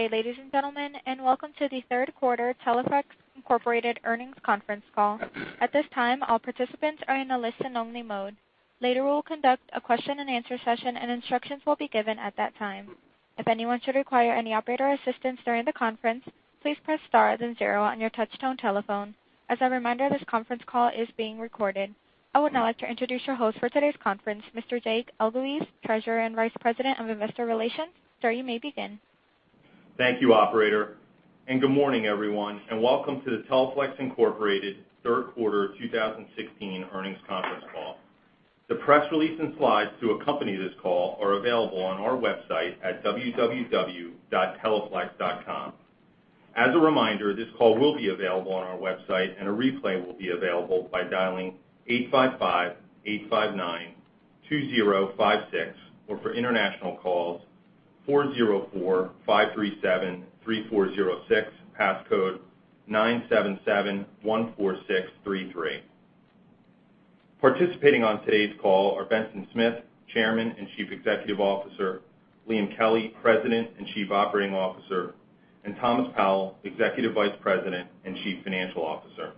Good day, ladies and gentlemen, and welcome to the third quarter Teleflex Incorporated earnings conference call. At this time, all participants are in a listen-only mode. Later, we'll conduct a question and answer session, and instructions will be given at that time. If anyone should require any operator assistance during the conference, please press star then zero on your touchtone telephone. As a reminder, this conference call is being recorded. I would now like to introduce your host for today's conference, Mr. Jake Elguicze, Treasurer and Vice President of Investor Relations. Sir, you may begin. Thank you, operator. Good morning, everyone, and welcome to the Teleflex Incorporated third quarter 2016 earnings conference call. The press release and slides to accompany this call are available on our website at www.teleflex.com. As a reminder, this call will be available on our website, and a replay will be available by dialing 855-859-2056, or for international calls, 404-537-3406, passcode 97714633. Participating on today's call are Benson Smith, Chairman and Chief Executive Officer, Liam Kelly, President and Chief Operating Officer, and Thomas Powell, Executive Vice President and Chief Financial Officer.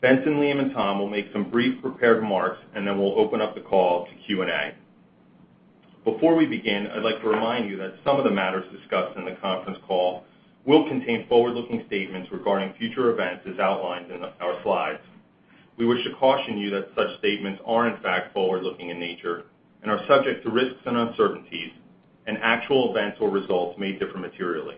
Benson, Liam, and Tom will make some brief prepared remarks. Then we'll open up the call to Q&A. Before we begin, I'd like to remind you that some of the matters discussed in the conference call will contain forward-looking statements regarding future events as outlined in our slides. We wish to caution you that such statements are in fact forward-looking in nature and are subject to risks and uncertainties. Actual events or results may differ materially.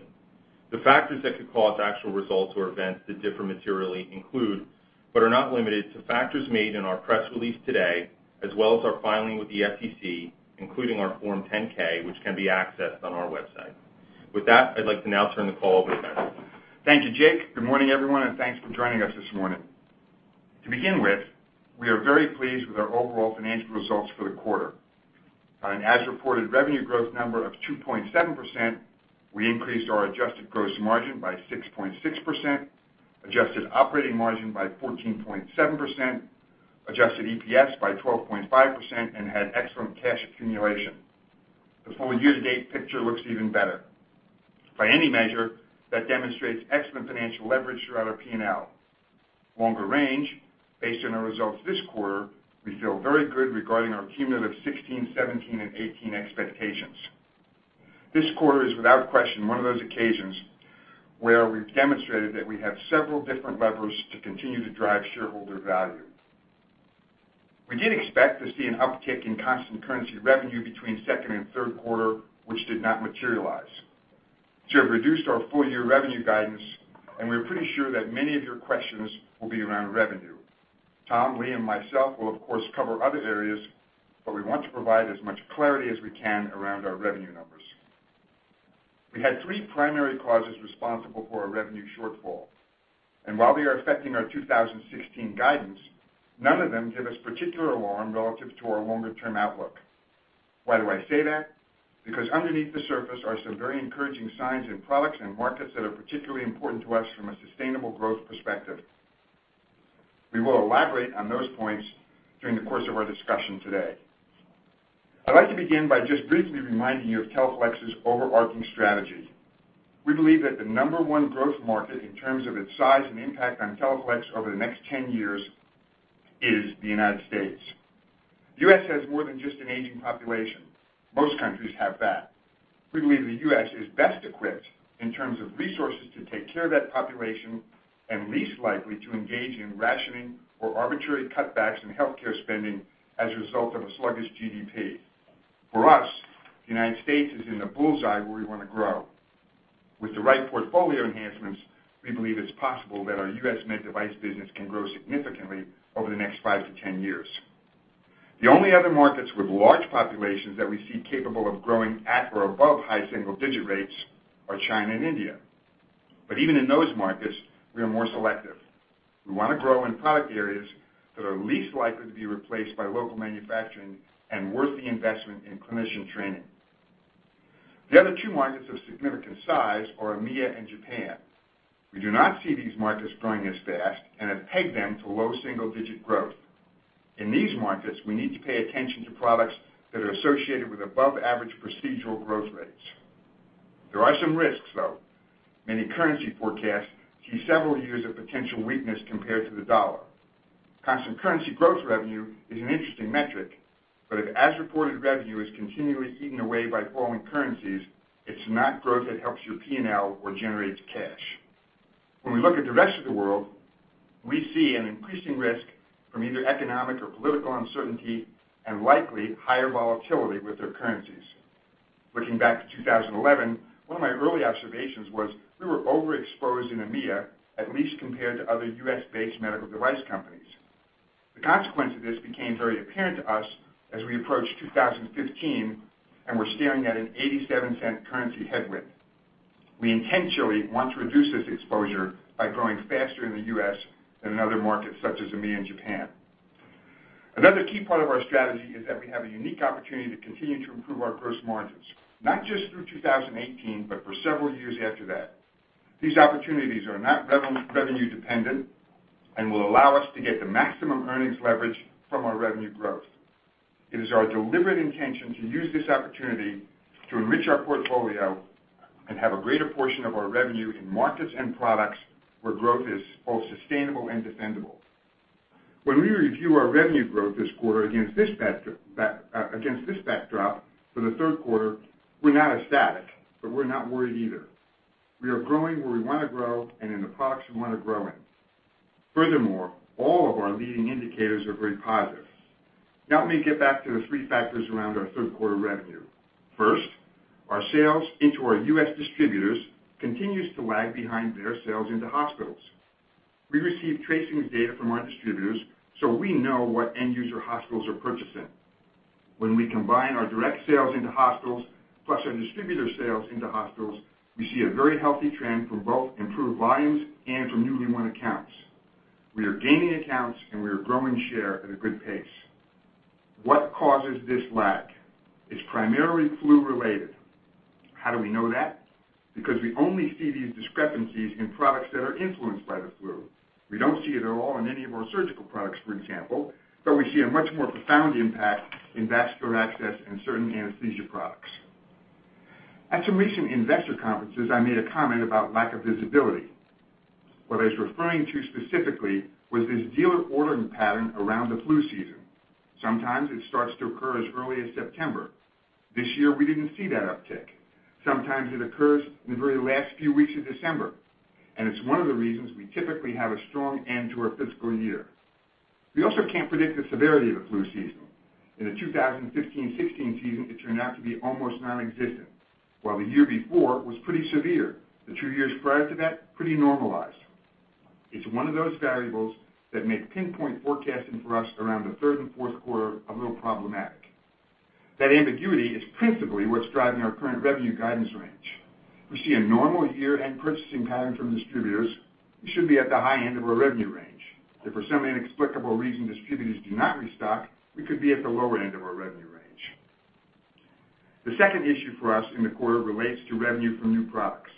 The factors that could cause actual results or events to differ materially include, but are not limited to, factors made in our press release today, as well as our filing with the SEC, including our Form 10-K, which can be accessed on our website. With that, I'd like to now turn the call over to Benson. Thank you, Jake. Good morning, everyone. Thanks for joining us this morning. To begin with, we are very pleased with our overall financial results for the quarter. On an as-reported revenue growth number of 2.7%, we increased our adjusted gross margin by 6.6%, adjusted operating margin by 14.7%, adjusted EPS by 12.5%, and had excellent cash accumulation. The full year-to-date picture looks even better. By any measure, that demonstrates excellent financial leverage throughout our P&L. Longer range, based on our results this quarter, we feel very good regarding our cumulative 2016, 2017, and 2018 expectations. This quarter is without question one of those occasions where we've demonstrated that we have several different levers to continue to drive shareholder value. We did expect to see an uptick in constant currency revenue between second and third quarter, which did not materialize. We have reduced our full-year revenue guidance, and we are pretty sure that many of your questions will be around revenue. Thomas, Liam, and myself will of course cover other areas, but we want to provide as much clarity as we can around our revenue numbers. We had three primary causes responsible for our revenue shortfall, and while we are affecting our 2016 guidance, none of them give us particular alarm relative to our longer-term outlook. Why do I say that? Underneath the surface are some very encouraging signs in products and markets that are particularly important to us from a sustainable growth perspective. We will elaborate on those points during the course of our discussion today. I'd like to begin by just briefly reminding you of Teleflex's overarching strategy. We believe that the number 1 growth market in terms of its size and impact on Teleflex over the next 10 years is the U.S. The U.S. has more than just an aging population. Most countries have that. We believe the U.S. is best equipped in terms of resources to take care of that population and least likely to engage in rationing or arbitrary cutbacks in healthcare spending as a result of a sluggish GDP. For us, the U.S. is in the bullseye where we want to grow. With the right portfolio enhancements, we believe it is possible that our U.S. med device business can grow significantly over the next five to 10 years. The only other markets with large populations that we see capable of growing at or above high single-digit rates are China and India. Even in those markets, we are more selective. We want to grow in product areas that are least likely to be replaced by local manufacturing and worth the investment in clinician training. The other two markets of significant size are EMEA and Japan. We do not see these markets growing as fast and have pegged them to low single-digit growth. In these markets, we need to pay attention to products that are associated with above-average procedural growth rates. There are some risks, though. Many currency forecasts see several years of potential weakness compared to the U.S. dollar. Constant currency growth revenue is an interesting metric, if as-reported revenue is continually eaten away by falling currencies, it is not growth that helps your P&L or generates cash. When we look at the rest of the world, we see an increasing risk from either economic or political uncertainty and likely higher volatility with their currencies. Looking back to 2011, one of my early observations was we were overexposed in EMEA, at least compared to other U.S.-based medical device companies. The consequence of this became very apparent to us as we approached 2015 and were staring at an $0.87 currency headwind. We intentionally want to reduce this exposure by growing faster in the U.S. than in other markets such as EMEA and Japan. Another key part of our strategy is that we have a unique opportunity to continue to improve our gross margins, not just through 2018, but for several years after that. These opportunities are not revenue-dependent and will allow us to get the maximum earnings leverage from our revenue growth. It is our deliberate intention to use this opportunity to enrich our portfolio and have a greater portion of our revenue in markets and products where growth is both sustainable and defendable. When we review our revenue growth this quarter against this backdrop for the third quarter, we're not ecstatic, but we're not worried either. We are growing where we want to grow and in the products we want to grow in. Furthermore, all of our leading indicators are very positive. Now let me get back to the three factors around our third quarter revenue. First, our sales into our U.S. distributors continues to lag behind their sales into hospitals. We receive tracings data from our distributors, so we know what end-user hospitals are purchasing. When we combine our direct sales into hospitals plus our distributor sales into hospitals, we see a very healthy trend from both improved volumes and from newly won accounts. We are gaining accounts and we are growing share at a good pace. What causes this lag is primarily flu related. How do we know that? We only see these discrepancies in products that are influenced by the flu. We don't see it at all in any of our surgical products, for example, but we see a much more profound impact in vascular access and certain anesthesia products. At some recent investor conferences, I made a comment about lack of visibility. What I was referring to specifically was this dealer ordering pattern around the flu season. Sometimes it starts to occur as early as September. This year, we didn't see that uptick. Sometimes it occurs in the very last few weeks of December, and it's one of the reasons we typically have a strong end to our fiscal year. We also can't predict the severity of the flu season. In the 2015-2016 season, it turned out to be almost nonexistent, while the year before was pretty severe. The two years prior to that, pretty normalized. It's one of those variables that make pinpoint forecasting for us around the third and fourth quarter a little problematic. That ambiguity is principally what's driving our current revenue guidance range. If we see a normal year-end purchasing pattern from distributors, we should be at the high end of our revenue range. If for some inexplicable reason distributors do not restock, we could be at the lower end of our revenue range. The second issue for us in the quarter relates to revenue from new products.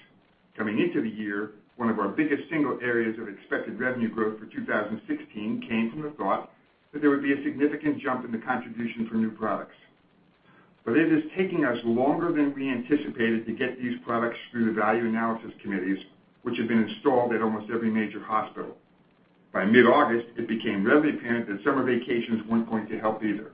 Coming into the year, one of our biggest single areas of expected revenue growth for 2016 came from the thought that there would be a significant jump in the contribution from new products. It is taking us longer than we anticipated to get these products through the value analysis committees, which have been installed at almost every major hospital. By mid-August, it became readily apparent that summer vacations weren't going to help either.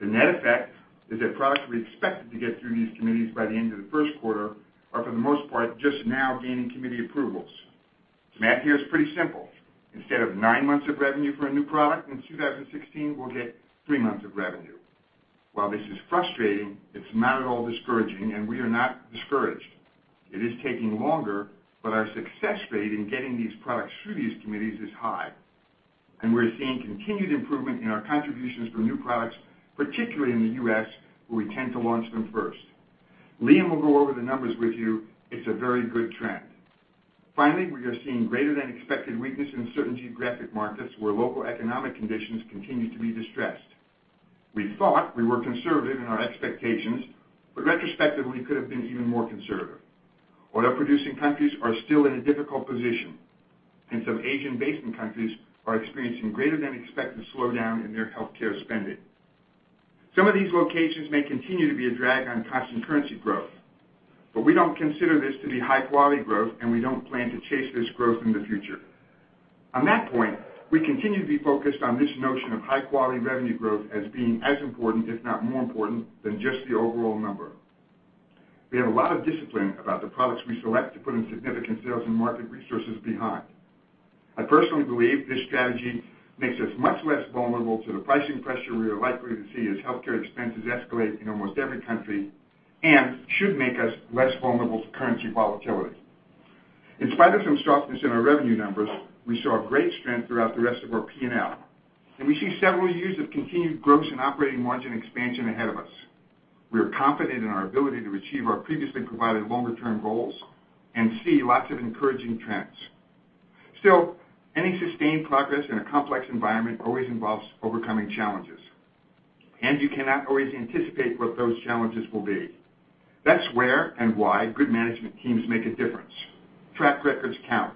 The net effect is that products we expected to get through these committees by the end of the first quarter are, for the most part, just now gaining committee approvals. The math here is pretty simple. Instead of nine months of revenue for a new product in 2016, we'll get three months of revenue. While this is frustrating, it's not at all discouraging, and we are not discouraged. It is taking longer, but our success rate in getting these products through these committees is high, and we're seeing continued improvement in our contributions from new products, particularly in the U.S., where we tend to launch them first. Liam will go over the numbers with you. It's a very good trend. We are seeing greater than expected weakness in certain geographic markets where local economic conditions continue to be distressed. We thought we were conservative in our expectations, but retrospectively could have been even more conservative. Oil-producing countries are still in a difficult position, and some Asian basin countries are experiencing greater than expected slowdown in their healthcare spending. Some of these locations may continue to be a drag on constant currency growth, but we don't consider this to be high-quality growth, and we don't plan to chase this growth in the future. On that point, we continue to be focused on this notion of high-quality revenue growth as being as important, if not more important, than just the overall number. We have a lot of discipline about the products we select to put in significant sales and market resources behind. I personally believe this strategy makes us much less vulnerable to the pricing pressure we are likely to see as healthcare expenses escalate in almost every country and should make us less vulnerable to currency volatility. In spite of some softness in our revenue numbers, we saw great strength throughout the rest of our P&L, and we see several years of continued gross and operating margin expansion ahead of us. We are confident in our ability to achieve our previously provided longer-term goals and see lots of encouraging trends. Still, any sustained progress in a complex environment always involves overcoming challenges, and you cannot always anticipate what those challenges will be. That's where and why good management teams make a difference. Track records count.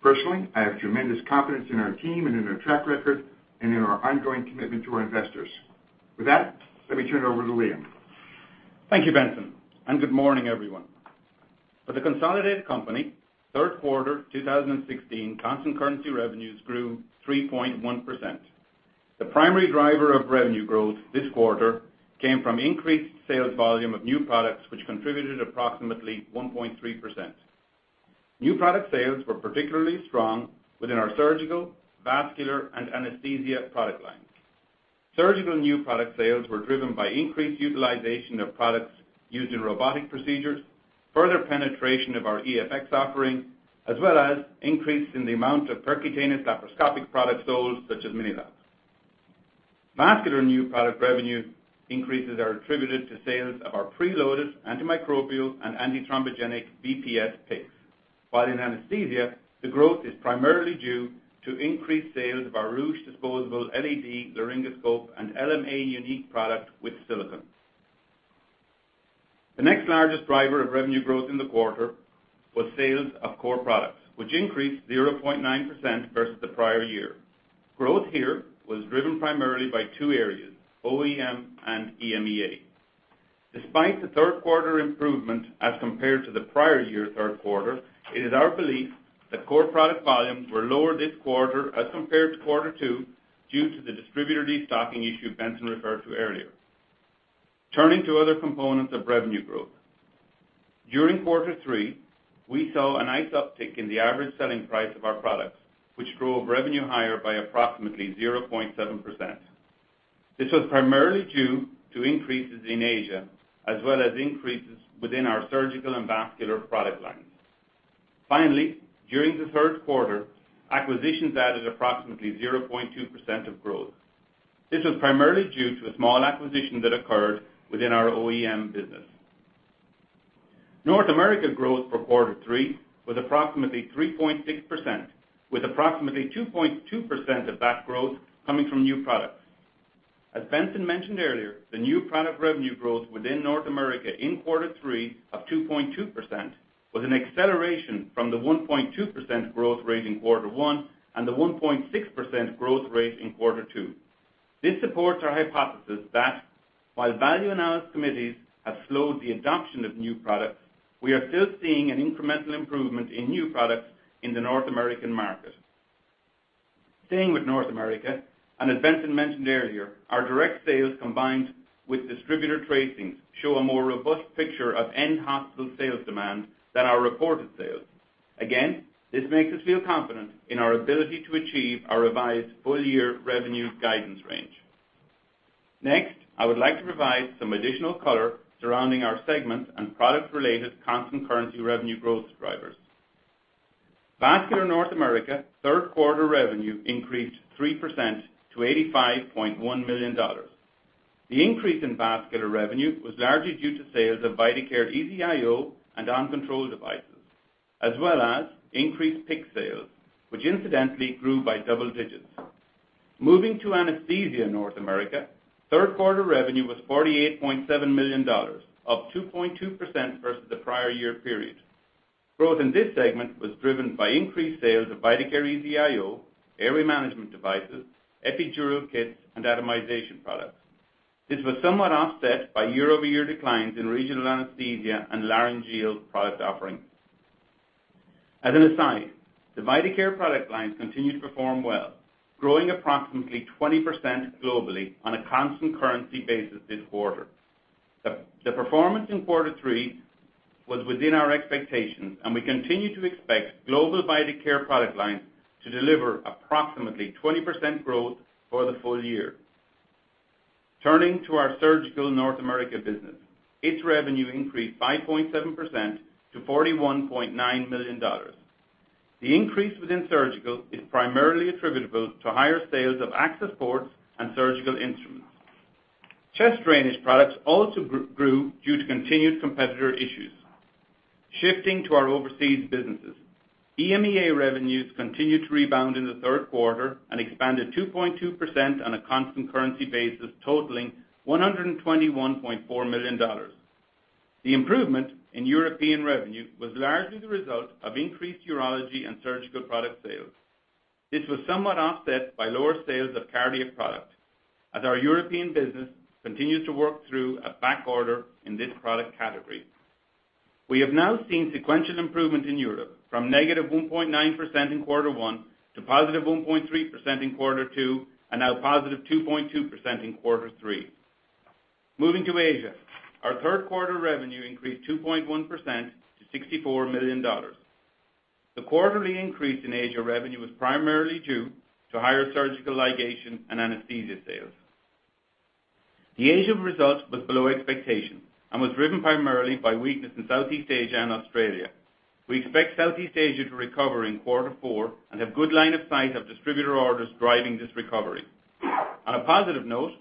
Personally, I have tremendous confidence in our team and in our track record and in our ongoing commitment to our investors. With that, let me turn it over to Liam. Thank you, Benson, and good morning, everyone. For the consolidated company, third quarter 2016 constant currency revenues grew 3.1%. The primary driver of revenue growth this quarter came from increased sales volume of new products which contributed approximately 1.3%. New product sales were particularly strong within our surgical, vascular, and anesthesia product lines. Surgical new product sales were driven by increased utilization of products used in robotic procedures, further penetration of our EFx offering, as well as increase in the amount of percutaneous laparoscopic products sold, such as MiniLap. Vascular new product revenue increases are attributed to sales of our preloaded antimicrobial and antithrombogenic BPS PICCs. While in anesthesia, the growth is primarily due to increased sales of our Rüsch disposable LED laryngoscope and LMA Unique product with silicone. The next largest driver of revenue growth in the quarter was sales of core products, which increased 0.9% versus the prior year. Growth here was driven primarily by two areas: OEM and EMEA. Despite the third quarter improvement as compared to the prior year third quarter, it is our belief that core product volumes were lower this quarter as compared to quarter two due to the distributor destocking issue Benson referred to earlier. Turning to other components of revenue growth. During quarter three, we saw a nice uptick in the average selling price of our products, which grew revenue higher by approximately 0.7%. This was primarily due to increases in Asia as well as increases within our surgical and vascular product lines. Finally, during the third quarter, acquisitions added approximately 0.2% of growth. This was primarily due to a small acquisition that occurred within our OEM business. North America growth for quarter three was approximately 3.6%, with approximately 2.2% of that growth coming from new products. As Benson mentioned earlier, the new product revenue growth within North America in quarter three of 2.2% was an acceleration from the 1.2% growth rate in quarter one and the 1.6% growth rate in quarter two. This supports our hypothesis that while value analysis committees have slowed the adoption of new products, we are still seeing an incremental improvement in new products in the North American market. Staying with North America, as Benson mentioned earlier, our direct sales combined with distributor tracings show a more robust picture of end hospital sales demand than our reported sales. This makes us feel confident in our ability to achieve our revised full-year revenue guidance range. I would like to provide some additional color surrounding our segment and product-related constant currency revenue growth drivers. Vascular North America third quarter revenue increased 3% to $85.1 million. The increase in vascular revenue was largely due to sales of Vidacare EZ-IO and OnControl devices, as well as increased PICC sales, which incidentally grew by double digits. Moving to anesthesia North America, third quarter revenue was $48.7 million, up 2.2% versus the prior year period. Growth in this segment was driven by increased sales of Vidacare EZ-IO, airway management devices, epidural kits, and atomization products. This was somewhat offset by year-over-year declines in regional anesthesia and laryngeal product offerings. The Vidacare product lines continue to perform well, growing approximately 20% globally on a constant currency basis this quarter. The performance in quarter three was within our expectations, we continue to expect global Vidacare product lines to deliver approximately 20% growth for the full year. Our surgical North America business, its revenue increased 5.7% to $41.9 million. The increase within surgical is primarily attributable to higher sales of access ports and surgical instruments. Chest drainage products also grew due to continued competitor issues. Our overseas businesses, EMEA revenues continued to rebound in the third quarter and expanded 2.2% on a constant currency basis totaling $121.4 million. The improvement in European revenue was largely the result of increased urology and surgical product sales. This was somewhat offset by lower sales of cardiac products, as our European business continues to work through a backorder in this product category. We have now seen sequential improvement in Europe from -1.9% in quarter one to positive 1.3% in quarter two, and now positive 2.2% in quarter three. Moving to Asia, our third quarter revenue increased 2.1% to $64 million. The quarterly increase in Asia revenue was primarily due to higher surgical ligation and anesthesia sales. The Asia result was below expectations and was driven primarily by weakness in Southeast Asia and Australia. We expect Southeast Asia to recover in quarter four and have good line of sight of distributor orders driving this recovery. On a positive note,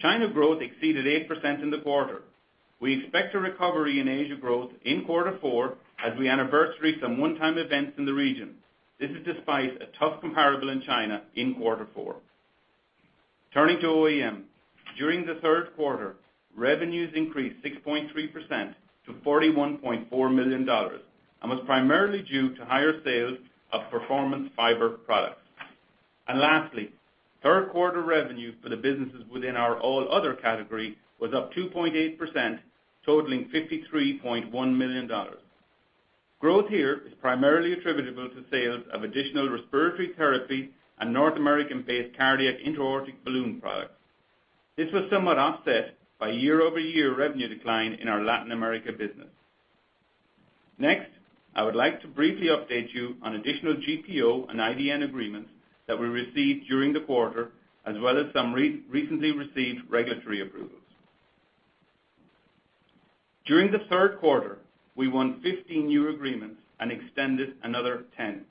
China growth exceeded 8% in the quarter. We expect a recovery in Asia growth in quarter four as we anniversary some one-time events in the region. This is despite a tough comparable in China in quarter four. Turning to OEM, during the third quarter, revenues increased 6.3% to $41.4 million and was primarily due to higher sales of performance fiber products. Lastly, third quarter revenue for the businesses within our all other category was up 2.8%, totaling $53.1 million. Growth here is primarily attributable to sales of additional respiratory therapy and North American-based cardiac intra-aortic balloon products. This was somewhat offset by year-over-year revenue decline in our Latin America business. Next, I would like to briefly update you on additional GPO and IDN agreements that we received during the quarter, as well as some recently received regulatory approvals. During the third quarter, we won 15 new agreements and extended another 10.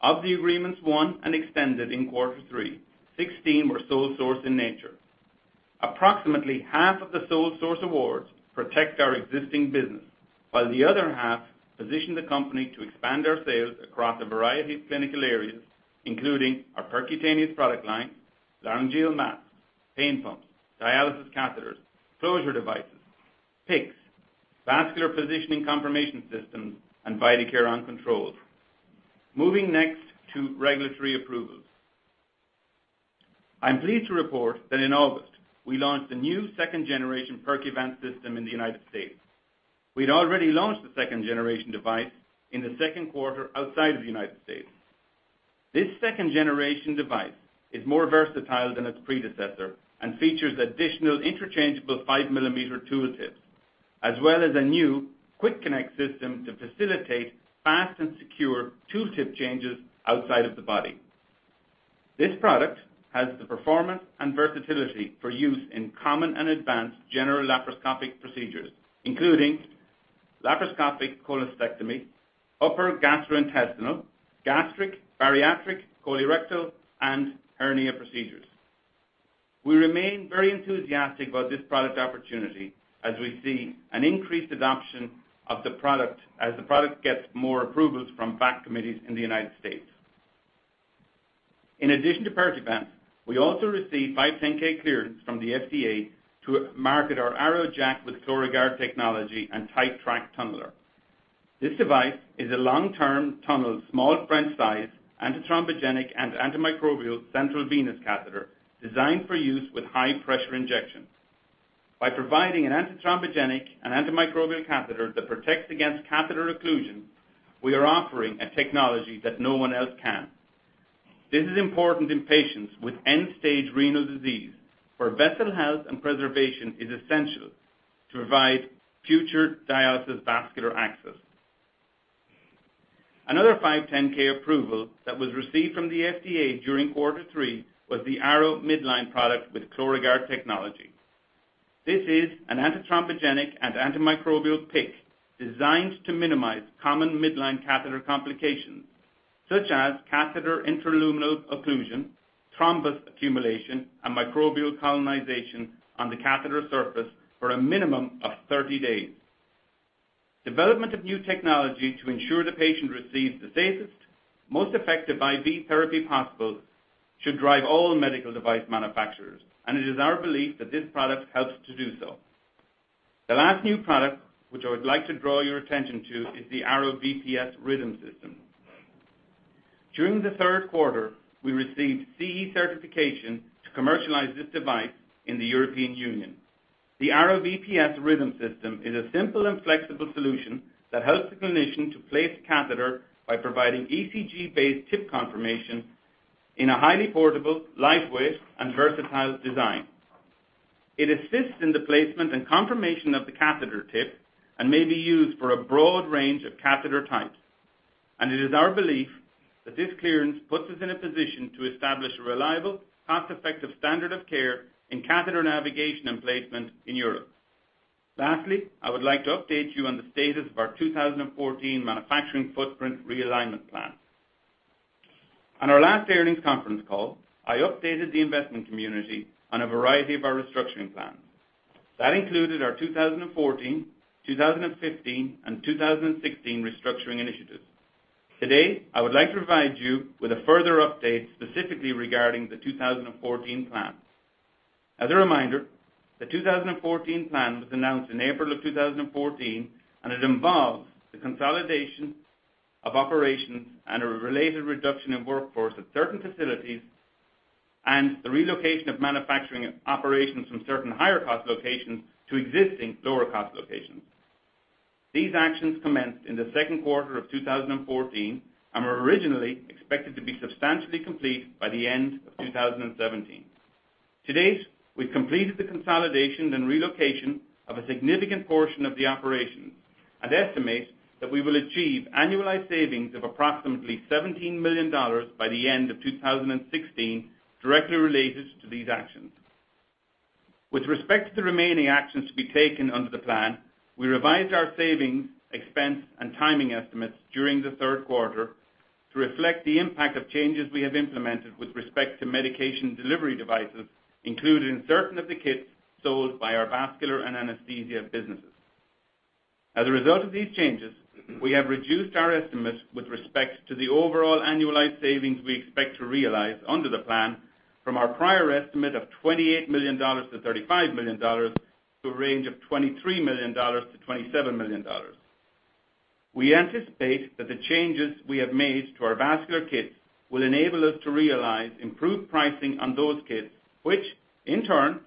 Of the agreements won and extended in quarter three, 16 were sole source in nature. Approximately half of the sole source awards protect our existing business, while the other half position the company to expand our sales across a variety of clinical areas, including our percutaneous product line, laryngeal mask Pain pumps, dialysis catheters, closure devices, PICCs, vascular positioning confirmation systems, and Vidacare OnControl. Moving next to regulatory approvals. I am pleased to report that in August, we launched the new second-generation Percuvance system in the United States. We had already launched the second-generation device in the second quarter outside of the United States. This second-generation device is more versatile than its predecessor and features additional interchangeable five-millimeter tool tips, as well as a new quick-connect system to facilitate fast and secure tool tip changes outside of the body. This product has the performance and versatility for use in common and advanced general laparoscopic procedures, including laparoscopic colectomy, upper gastrointestinal, gastric, bariatric, colorectal, and hernia procedures. We remain very enthusiastic about this product opportunity as we see an increased adoption of the product as the product gets more approvals from value analysis committees in the United States. In addition to Percuvance, we also received 510(k) clearance from the FDA to market our Arrow JACC with Chlorag+ard technology and TightTrack tunneler. This device is a long-term tunnel, small French size, antithrombogenic and antimicrobial central venous catheter designed for use with high-pressure injections. By providing an antithrombogenic and antimicrobial catheter that protects against catheter occlusion, we are offering a technology that no one else can. This is important in patients with end-stage renal disease, where vessel health and preservation is essential to provide future dialysis vascular access. Another 510(k) approval that was received from the FDA during quarter three was the Arrow Midline product with Chlorag+ard technology. This is an antithrombogenic and antimicrobial PICC designed to minimize common midline catheter complications, such as catheter intraluminal occlusion, thrombus accumulation, and microbial colonization on the catheter surface for a minimum of 30 days. Development of new technology to ensure the patient receives the safest, most effective IV therapy possible should drive all medical device manufacturers, and it is our belief that this product helps to do so. The last new product which I would like to draw your attention to is the Arrow VPS Rhythm system. During the third quarter, we received CE certification to commercialize this device in the European Union. The Arrow VPS Rhythm system is a simple and flexible solution that helps the clinician to place the catheter by providing ECG-based tip confirmation in a highly portable, lightweight, and versatile design. It assists in the placement and confirmation of the catheter tip and may be used for a broad range of catheter types. It is our belief that this clearance puts us in a position to establish a reliable, cost-effective standard of care in catheter navigation and placement in Europe. Lastly, I would like to update you on the status of our 2014 manufacturing footprint realignment plans. On our last earnings conference call, I updated the investment community on a variety of our restructuring plans. That included our 2014, 2015, and 2016 restructuring initiatives. Today, I would like to provide you with a further update, specifically regarding the 2014 plan. As a reminder, the 2014 plan was announced in April of 2014, and it involves the consolidation of operations and a related reduction in workforce at certain facilities and the relocation of manufacturing operations from certain higher-cost locations to existing lower-cost locations. These actions commenced in the second quarter of 2014 and were originally expected to be substantially complete by the end of 2017. To date, we've completed the consolidations and relocation of a significant portion of the operations and estimate that we will achieve annualized savings of approximately $17 million by the end of 2016, directly related to these actions. With respect to the remaining actions to be taken under the plan, we revised our savings, expense, and timing estimates during the third quarter to reflect the impact of changes we have implemented with respect to medication delivery devices, including certain of the kits sold by our vascular and anesthesia businesses. As a result of these changes, we have reduced our estimates with respect to the overall annualized savings we expect to realize under the plan from our prior estimate of $28 million-$35 million to a range of $23 million-$27 million. We anticipate that the changes we have made to our vascular kits will enable us to realize improved pricing on those kits, which in turn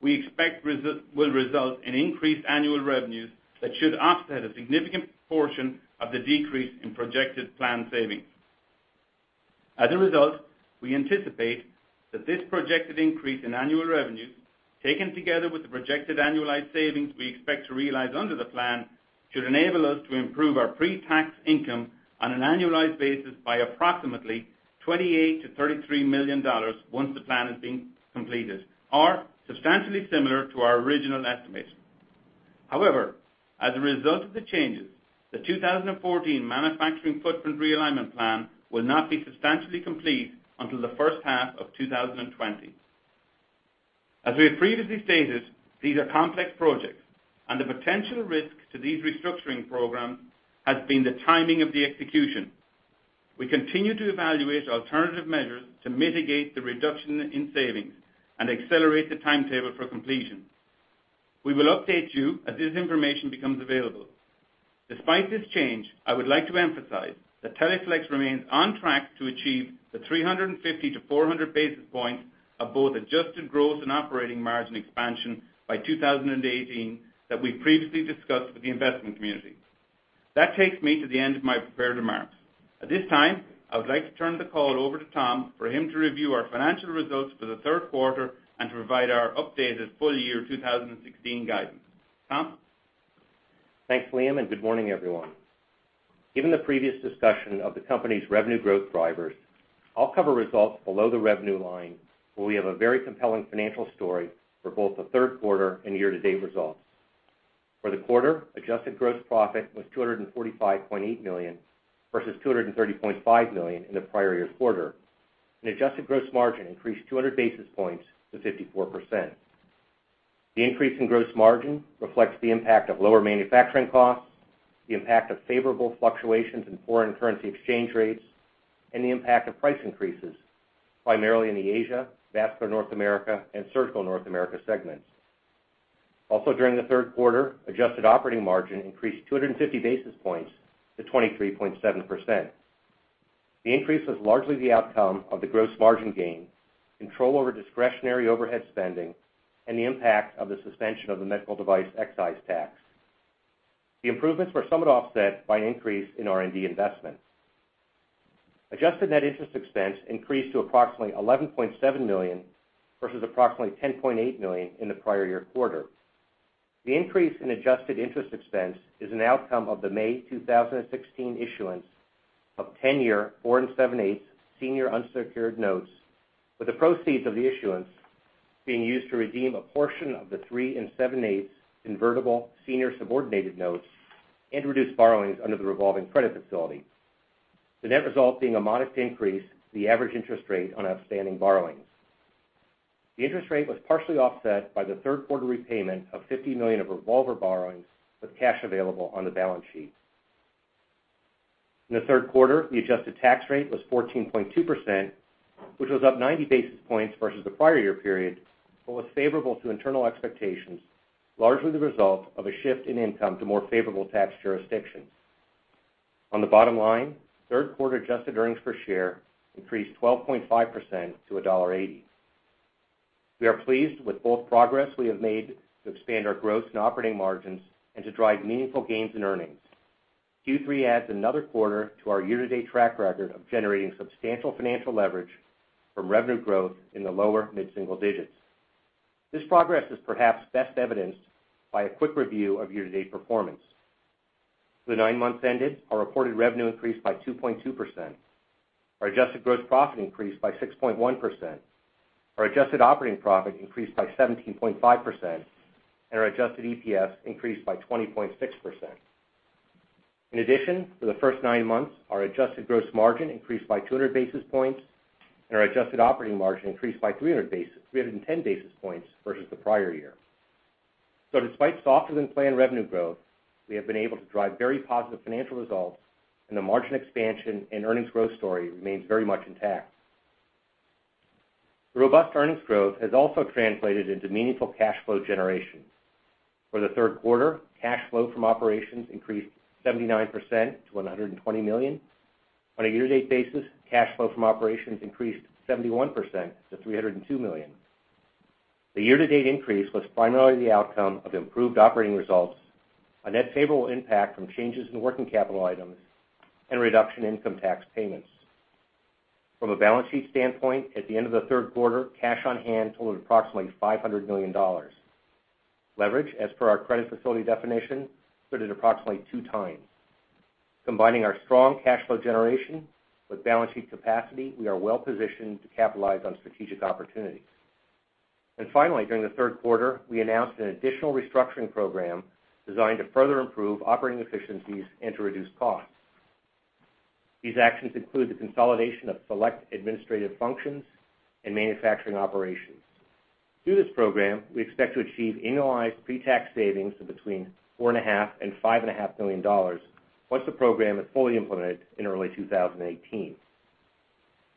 we expect will result in increased annual revenues that should offset a significant portion of the decrease in projected plan savings. As a result, we anticipate that this projected increase in annual revenues, taken together with the projected annualized savings we expect to realize under the plan, should enable us to improve our pre-tax income on an annualized basis by approximately $28 million-$33 million once the plan has been completed, or substantially similar to our original estimate. However, as a result of the changes, the 2014 manufacturing footprint realignment plan will not be substantially complete until the first half of 2020. As we have previously stated, these are complex projects, and the potential risk to these restructuring programs has been the timing of the execution. We continue to evaluate alternative measures to mitigate the reduction in savings and accelerate the timetable for completion. We will update you as this information becomes available. Despite this change, I would like to emphasize that Teleflex remains on track to achieve the 350-400 basis points of both adjusted growth and operating margin expansion by 2018 that we previously discussed with the investment community. That takes me to the end of my prepared remarks. At this time, I would like to turn the call over to Tom for him to review our financial results for the third quarter and to provide our updated full-year 2016 guidance. Tom? Thanks, Liam. Good morning, everyone. Given the previous discussion of the company's revenue growth drivers, I'll cover results below the revenue line where we have a very compelling financial story for both the third quarter and year-to-date results. For the quarter, adjusted gross profit was $245.8 million, versus $230.5 million in the prior year's quarter, and adjusted gross margin increased 200 basis points to 54%. The increase in gross margin reflects the impact of lower manufacturing costs, the impact of favorable fluctuations in foreign currency exchange rates, and the impact of price increases, primarily in the Asia, Vascular North America, and Surgical North America segments. Also during the third quarter, adjusted operating margin increased 250 basis points to 23.7%. The increase was largely the outcome of the gross margin gain, control over discretionary overhead spending, and the impact of the suspension of the medical device excise tax. The improvements were somewhat offset by an increase in R&D investments. Adjusted net interest expense increased to approximately $11.7 million, versus approximately $10.8 million in the prior year quarter. The increase in adjusted interest expense is an outcome of the May 2016 issuance of 10-year four and seven-eighths senior unsecured notes, with the proceeds of the issuance being used to redeem a portion of the three and seven-eighths convertible senior subordinated notes and reduce borrowings under the revolving credit facility. The net result being a modest increase to the average interest rate on outstanding borrowings. The interest rate was partially offset by the third quarter repayment of $50 million of revolver borrowings with cash available on the balance sheet. In the third quarter, the adjusted tax rate was 14.2%, which was up 90 basis points versus the prior year period, was favorable to internal expectations, largely the result of a shift in income to more favorable tax jurisdictions. On the bottom line, third quarter adjusted earnings per share increased 12.5% to $1.80. We are pleased with both progress we have made to expand our gross and operating margins and to drive meaningful gains in earnings. Q3 adds another quarter to our year-to-date track record of generating substantial financial leverage from revenue growth in the lower mid-single digits. This progress is perhaps best evidenced by a quick review of year-to-date performance. For the nine months ended, our reported revenue increased by 2.2%. Our adjusted gross profit increased by 6.1%. Our adjusted operating profit increased by 17.5%. Our adjusted EPS increased by 20.6%. In addition, for the first nine months, our adjusted gross margin increased by 200 basis points. Our adjusted operating margin increased by 310 basis points versus the prior year. Despite softer than planned revenue growth, we have been able to drive very positive financial results. The margin expansion and earnings growth story remains very much intact. The robust earnings growth has also translated into meaningful cash flow generation. For the third quarter, cash flow from operations increased 79% to $120 million. On a year-to-date basis, cash flow from operations increased 71% to $302 million. The year-to-date increase was primarily the outcome of improved operating results, a net favorable impact from changes in working capital items, and a reduction in income tax payments. From a balance sheet standpoint, at the end of the third quarter, cash on hand totaled approximately $500 million. Leverage, as per our credit facility definition, stood at approximately 2 times. Combining our strong cash flow generation with balance sheet capacity, we are well positioned to capitalize on strategic opportunities. Finally, during the third quarter, we announced an additional restructuring program designed to further improve operating efficiencies and to reduce costs. These actions include the consolidation of select administrative functions and manufacturing operations. Through this program, we expect to achieve annualized pre-tax savings of between four and a half and five and a half million dollars once the program is fully implemented in early 2018.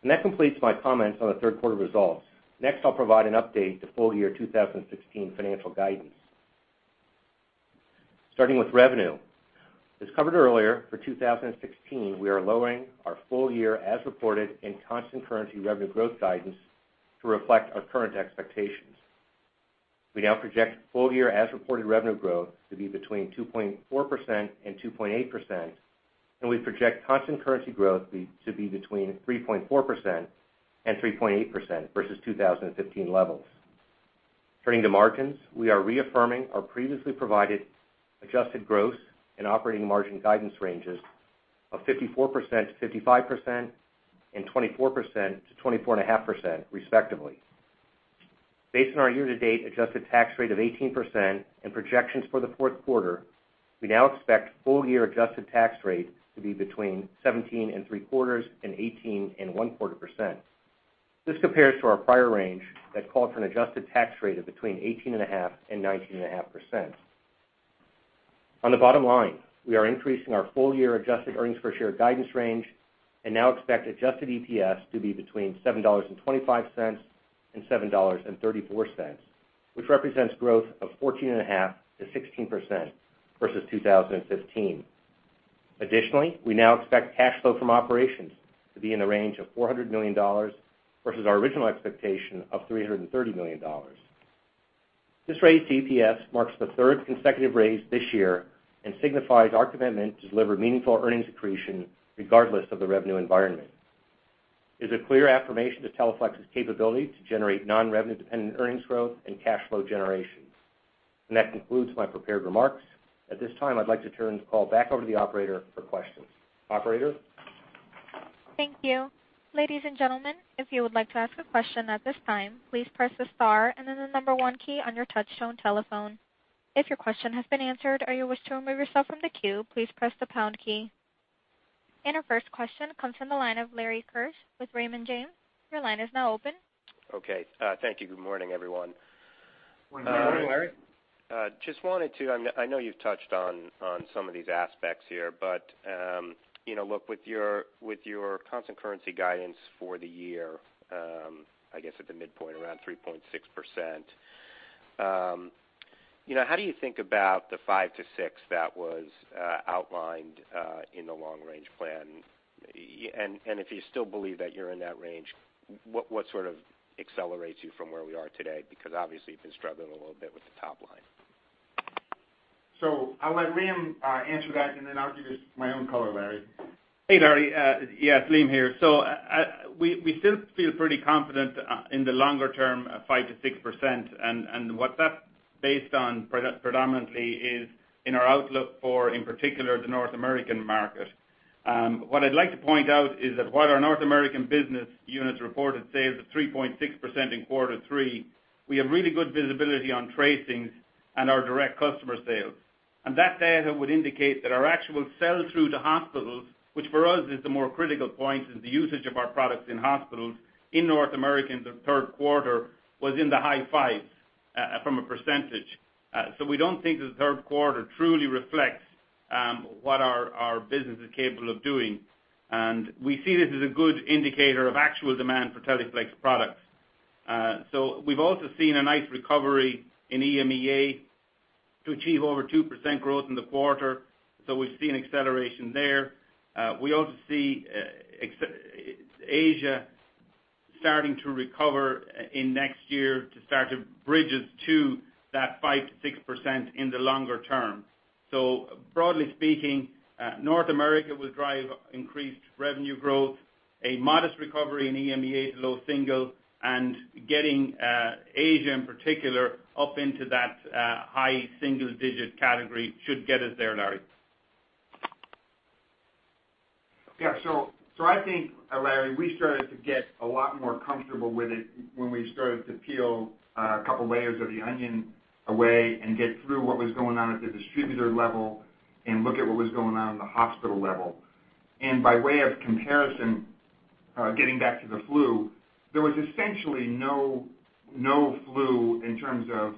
That completes my comments on the third quarter results. Next, I'll provide an update to full-year 2016 financial guidance. Starting with revenue. As covered earlier, for 2016, we are lowering our full-year as reported and constant currency revenue growth guidance to reflect our current expectations. We now project full-year as reported revenue growth to be between 2.4% and 2.8%. We project constant currency growth to be between 3.4% and 3.8% versus 2015 levels. Turning to margins. We are reaffirming our previously provided adjusted gross and operating margin guidance ranges of 54%-55% and 24%-24.5% respectively. Based on our year-to-date adjusted tax rate of 18% and projections for the fourth quarter, we now expect full-year adjusted tax rate to be between 17.75%-18.25%. This compares to our prior range that called for an adjusted tax rate of between 18.5%-19.5%. On the bottom line, we are increasing our full-year adjusted earnings per share guidance range and now expect adjusted EPS to be between $7.25 and $7.34, which represents growth of 14.5%-16% versus 2015. Additionally, we now expect cash flow from operations to be in the range of $400 million versus our original expectation of $330 million. This raise to EPS marks the third consecutive raise this year and signifies our commitment to deliver meaningful earnings accretion regardless of the revenue environment. It's a clear affirmation to Teleflex's capability to generate non-revenue dependent earnings growth and cash flow generation. That concludes my prepared remarks. At this time, I'd like to turn the call back over to the operator for questions. Operator? Thank you. Ladies and gentlemen, if you would like to ask a question at this time, please press the star and then the number one key on your touchtone telephone. If your question has been answered or you wish to remove yourself from the queue, please press the pound key. Our first question comes from the line of Lawrence Keusch with Raymond James. Your line is now open. Okay. Thank you. Good morning, everyone. Good morning, Larry. I know you've touched on some of these aspects here, look, with your constant currency guidance for the year, I guess at the midpoint, around 3.6%, how do you think about the 5% to 6% that was outlined in the long-range plan? If you still believe that you're in that range, what sort of accelerates you from where we are today? Obviously, you've been struggling a little bit with the top line. I'll let Liam answer that, then I'll give you my own color, Larry. Hey, Larry. Yes, Liam here. We still feel pretty confident in the longer-term 5% to 6%, what that's based on predominantly is in our outlook for, in particular, the North American market. What I'd like to point out is that while our North American business units reported sales of 3.6% in quarter three, we have really good visibility on tracings and our direct customer sales. That data would indicate that our actual sell-through to hospitals, which for us is the more critical point is the usage of our products in hospitals in North America in the third quarter was in the high fives from a percentage. We don't think the third quarter truly reflects what our business is capable of doing, and we see this as a good indicator of actual demand for Teleflex products. We've also seen a nice recovery in EMEA to achieve over 2% growth in the quarter, we've seen acceleration there. We also see Asia starting to recover in next year to start to bridge us to that 5% to 6% in the longer term. Broadly speaking, North America will drive increased revenue growth, a modest recovery in EMEA to low single, and getting Asia in particular up into that high single digit category should get us there, Larry. I think, Larry, we started to get a lot more comfortable with it when we started to peel a couple of layers of the onion away and get through what was going on at the distributor level and look at what was going on in the hospital level. By way of comparison, getting back to the flu, there was essentially no flu in terms of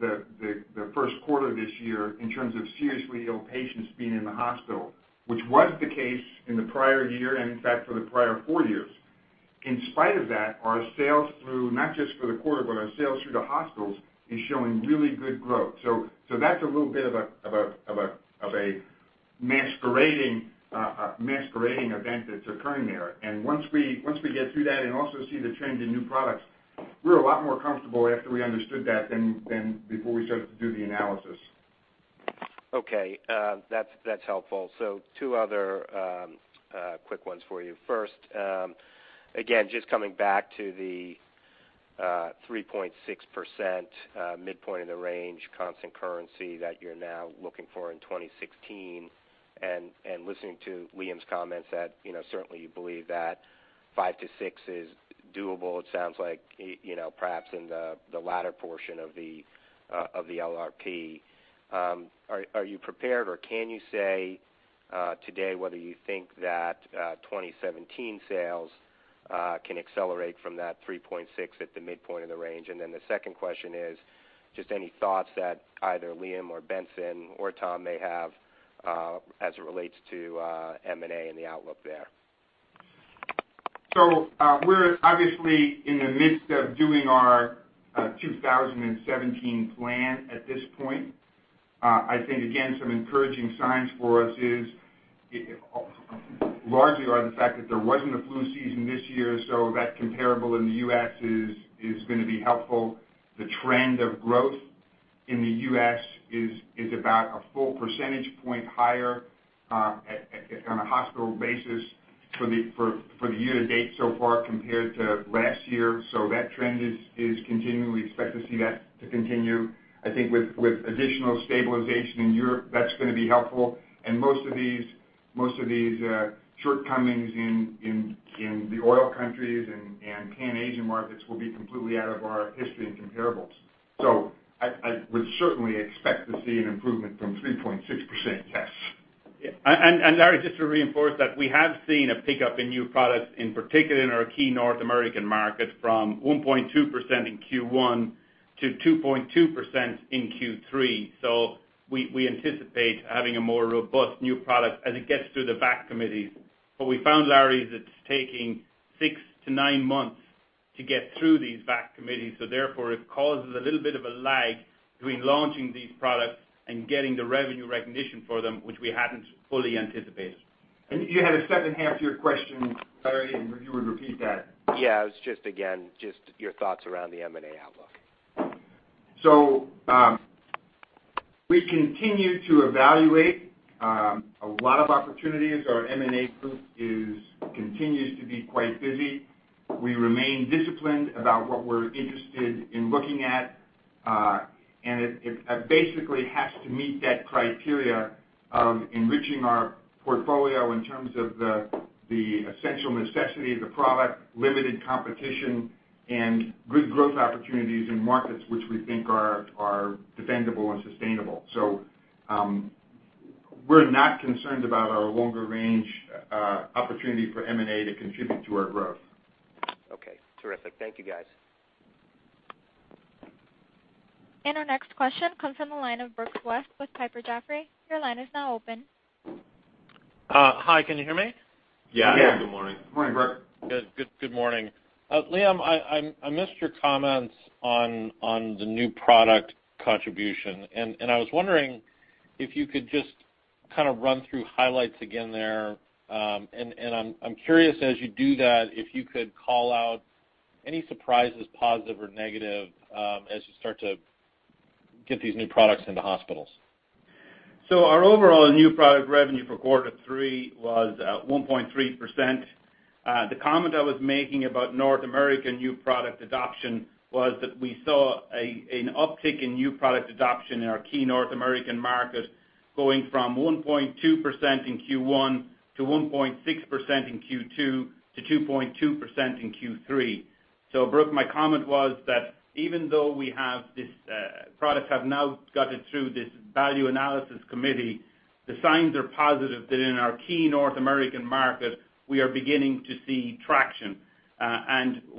the first quarter of this year in terms of seriously ill patients being in the hospital, which was the case in the prior year and in fact, for the prior 4 years. In spite of that, our sales through, not just for the quarter, but our sales through the hospitals is showing really good growth. That's a little bit of a masquerading event that's occurring there. Once we get through that and also see the trend in new products, we're a lot more comfortable after we understood that than before we started to do the analysis. Okay. That's helpful. Two other quick ones for you. First, again, just coming back to the 3.6% midpoint of the range, constant currency that you're now looking for in 2016, and listening to Liam's comments that certainly you believe that 5%-6% is doable. It sounds like perhaps in the latter portion of the LRP. Are you prepared, or can you say today whether you think that 2017 sales can accelerate from that 3.6% at the midpoint of the range? Then the second question is just any thoughts that either Liam or Benson or Tom may have as it relates to M&A and the outlook there. We're obviously in the midst of doing our 2017 plan at this point. I think, again, some encouraging signs for us is largely around the fact that there wasn't a flu season this year, that comparable in the U.S. is going to be helpful. The trend of growth in the U.S. is about a full percentage point higher on a hospital basis for the year to date so far compared to last year. That trend is continuing. We expect to see that to continue. I think with additional stabilization in Europe, that's going to be helpful. Most of these shortcomings in the oil countries and Pan-Asian markets will be completely out of our history and comparables. I would certainly expect to see an improvement from 3.6% Larry, just to reinforce that we have seen a pickup in new products, in particular in our key North American market from 1.2% in Q1 to 2.2% in Q3. We anticipate having a more robust new product as it gets through the VAC committees. What we found, Larry, is it's taking six to nine months to get through these VAC committees. Therefore, it causes a little bit of a lag between launching these products and getting the revenue recognition for them, which we hadn't fully anticipated. You had a second half to your question, Larry. If you would repeat that. It was just, again, just your thoughts around the M&A outlook. We continue to evaluate a lot of opportunities. Our M&A group continues to be quite busy. We remain disciplined about what we're interested in looking at. It basically has to meet that criteria of enriching our portfolio in terms of the essential necessity of the product, limited competition, and good growth opportunities in markets which we think are defendable and sustainable. We're not concerned about our longer range opportunity for M&A to contribute to our growth. Okay, terrific. Thank you guys. Our next question comes from the line of Brooks West with Piper Jaffray. Your line is now open. Hi, can you hear me? Yeah. Good morning. Good morning, Brooks. Good morning. Liam, I missed your comments on the new product contribution. I was wondering if you could just kind of run through highlights again there. I'm curious as you do that, if you could call out any surprises, positive or negative, as you start to get these new products into hospitals. Our overall new product revenue for quarter three was at 1.3%. The comment I was making about North American new product adoption was that we saw an uptick in new product adoption in our key North American market, going from 1.2% in Q1 to 1.6% in Q2 to 2.2% in Q3. Brooks, my comment was that even though we have this product have now gotten through this value analysis committee, the signs are positive that in our key North American market, we are beginning to see traction.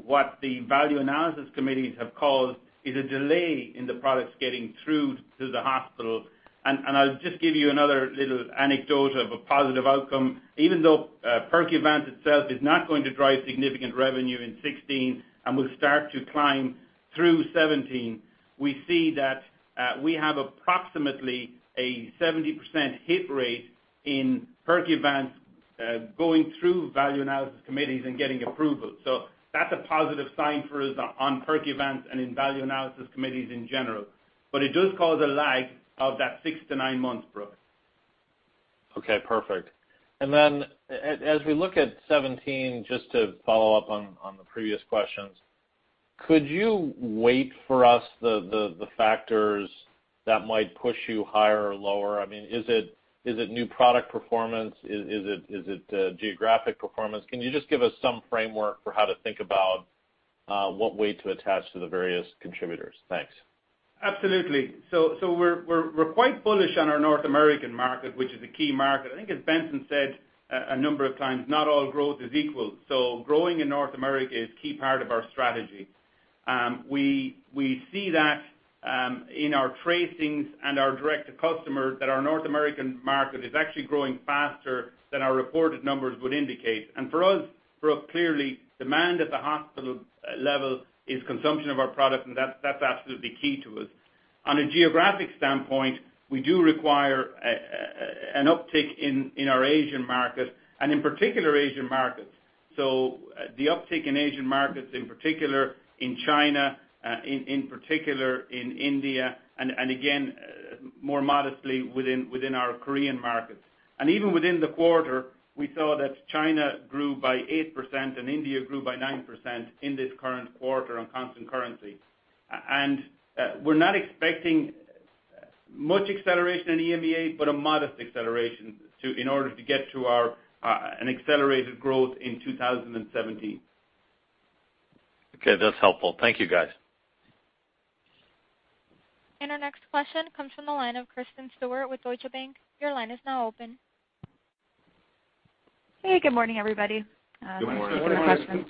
What the value analysis committees have caused is a delay in the products getting through to the hospital. I'll just give you another little anecdote of a positive outcome. Even though Percuvance itself is not going to drive significant revenue in 2016 and will start to climb through 2017, we see that we have approximately a 70% hit rate in Percuvance going through value analysis committees and getting approval. That's a positive sign for us on Percuvance and in value analysis committees in general. It does cause a lag of that 6-9 months, Brooks. Okay, perfect. As we look at 2017, just to follow up on the previous questions, could you weight for us the factors that might push you higher or lower? I mean, is it new product performance? Is it geographic performance? Can you just give us some framework for how to think about what weight to attach to the various contributors? Thanks. Absolutely. We're quite bullish on our North American market, which is a key market. I think as Benson said a number of times, not all growth is equal. Growing in North America is key part of our strategy. We see that in our tracings and our direct to customer that our North American market is actually growing faster than our reported numbers would indicate. For us, Brooks, clearly, demand at the hospital level is consumption of our product, and that's absolutely key to us. On a geographic standpoint, we do require an uptick in our Asian market, and in particular Asian markets. The uptick in Asian markets, in particular in China, in particular in India, and again, more modestly within our Korean markets. Even within the quarter, we saw that China grew by 8% and India grew by 9% in this current quarter on constant currency. We're not expecting much acceleration in the EMEA, but a modest acceleration in order to get to an accelerated growth in 2017. Okay. That's helpful. Thank you, guys. Our next question comes from the line of Kristen Stewart with Deutsche Bank. Your line is now open. Hey, good morning, everybody. Good morning. Good morning.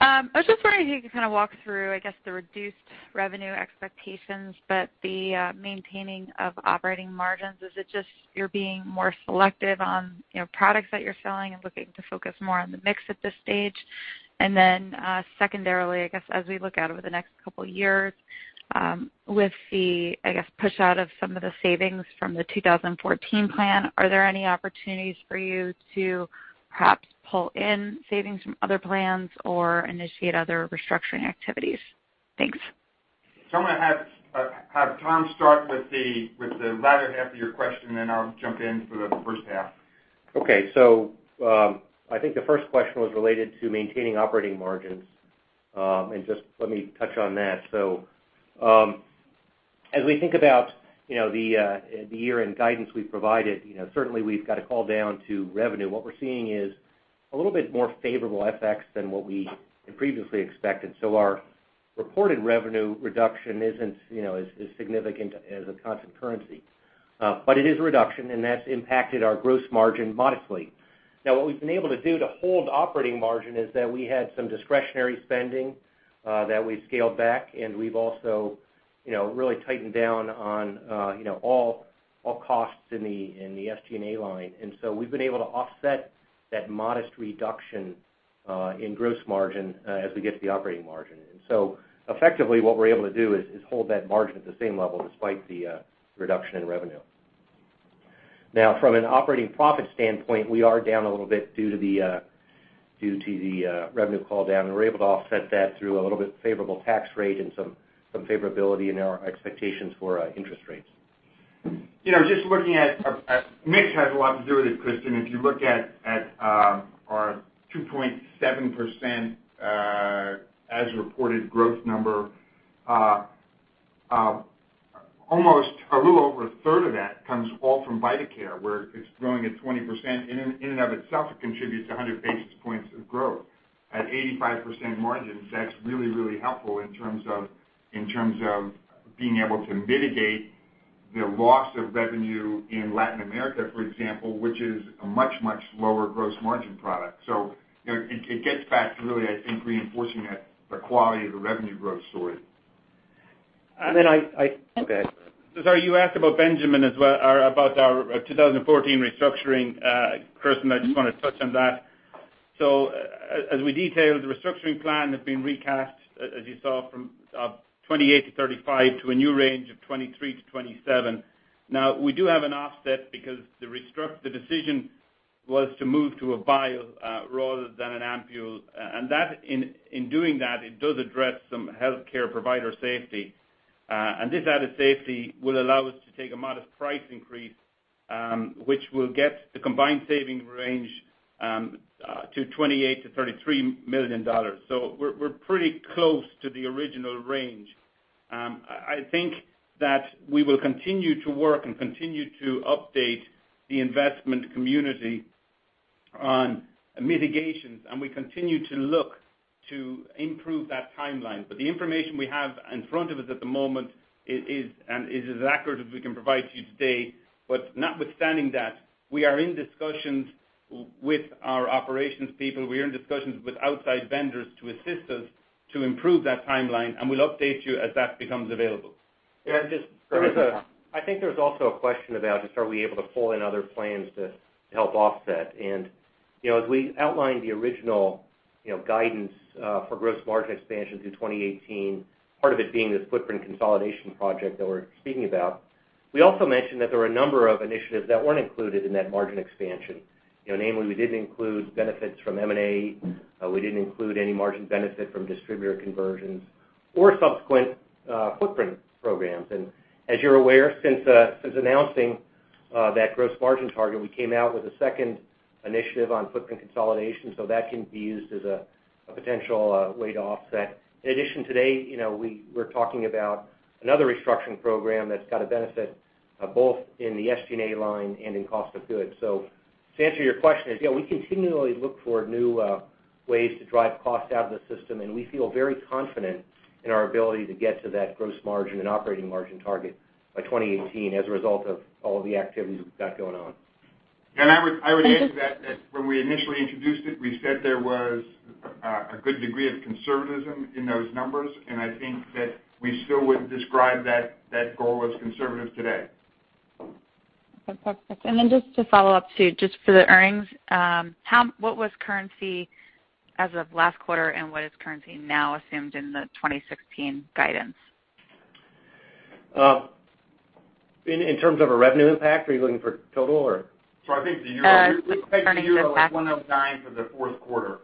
I was just wondering if you could kind of walk through, I guess, the reduced revenue expectations, but the maintaining of operating margins. Is it just you're being more selective on products that you're selling and looking to focus more on the mix at this stage? Secondarily, I guess, as we look out over the next couple of years, with the push out of some of the savings from the 2014 plan, are there any opportunities for you to perhaps pull in savings from other plans or initiate other restructuring activities? Thanks. I'm going to have Tom start with the latter half of your question, then I'll jump in for the first half. Okay. I think the first question was related to maintaining operating margins. Just let me touch on that. As we think about the year-end guidance we've provided, certainly we've got a call-down to revenue. What we're seeing is A little bit more favorable FX than what we had previously expected. Our reported revenue reduction isn't as significant as a constant currency. It is a reduction, and that's impacted our gross margin modestly. Now, what we've been able to do to hold operating margin is that we had some discretionary spending that we scaled back, and we've also really tightened down on all costs in the SG&A line. We've been able to offset that modest reduction in gross margin as we get to the operating margin. Effectively what we're able to do is hold that margin at the same level despite the reduction in revenue. From an operating profit standpoint, we are down a little bit due to the revenue call down. We're able to offset that through a little bit favorable tax rate and some favorability in our expectations for interest rates. Looking at our mix has a lot to do with it, Kristen. If you look at our 2.7% as reported growth number, almost a little over a third of that comes all from Vidacare, where it's growing at 20%. In and of itself, it contributes 100 basis points of growth. At 85% margins, that's really, really helpful in terms of being able to mitigate the loss of revenue in Latin America, for example, which is a much, much lower gross margin product. It gets back to really, I think, reinforcing the quality of the revenue growth story. I- Okay. Go ahead. Sorry, you asked about Benjamin as well, or about our 2014 restructuring, Kristen, I just want to touch on that. As we detailed, the restructuring plan has been recast, as you saw, from $28 million-$35 million to a new range of $23 million-$27 million. We do have an offset because the decision was to move to a vial rather than an ampoule. In doing that, it does address some healthcare provider safety. This added safety will allow us to take a modest price increase, which will get the combined saving range to $28 million-$33 million. We're pretty close to the original range. I think that we will continue to work and continue to update the investment community on mitigations, and we continue to look to improve that timeline. The information we have in front of us at the moment is as accurate as we can provide to you today. Notwithstanding that, we are in discussions with our operations people, we are in discussions with outside vendors to assist us to improve that timeline, and we'll update you as that becomes available. Yeah. Go ahead. I think there's also a question about just are we able to pull in other plans to help offset. As we outlined the original guidance for gross margin expansion through 2018, part of it being this footprint consolidation project that we're speaking about. We also mentioned that there were a number of initiatives that weren't included in that margin expansion. Namely, we didn't include benefits from M&A, we didn't include any margin benefit from distributor conversions or subsequent footprint programs. As you're aware, since announcing that gross margin target, we came out with a second initiative on footprint consolidation, so that can be used as a potential way to offset. In addition, today, we're talking about another restructuring program that's got a benefit both in the SG&A line and in cost of goods. To answer your question is, yeah, we continually look for new ways to drive costs out of the system, and we feel very confident in our ability to get to that gross margin and operating margin target by 2018 as a result of all the activities we've got going on. I would add to that when we initially introduced it, we said there was a good degree of conservatism in those numbers, and I think that we still would describe that goal as conservative today. Okay. Then just to follow up too, just for the earnings, what was currency as of last quarter, and what is currency now assumed in the 2016 guidance? In terms of a revenue impact? Are you looking for total or- I think the euro- Currency impact the euro at 109 for the fourth quarter.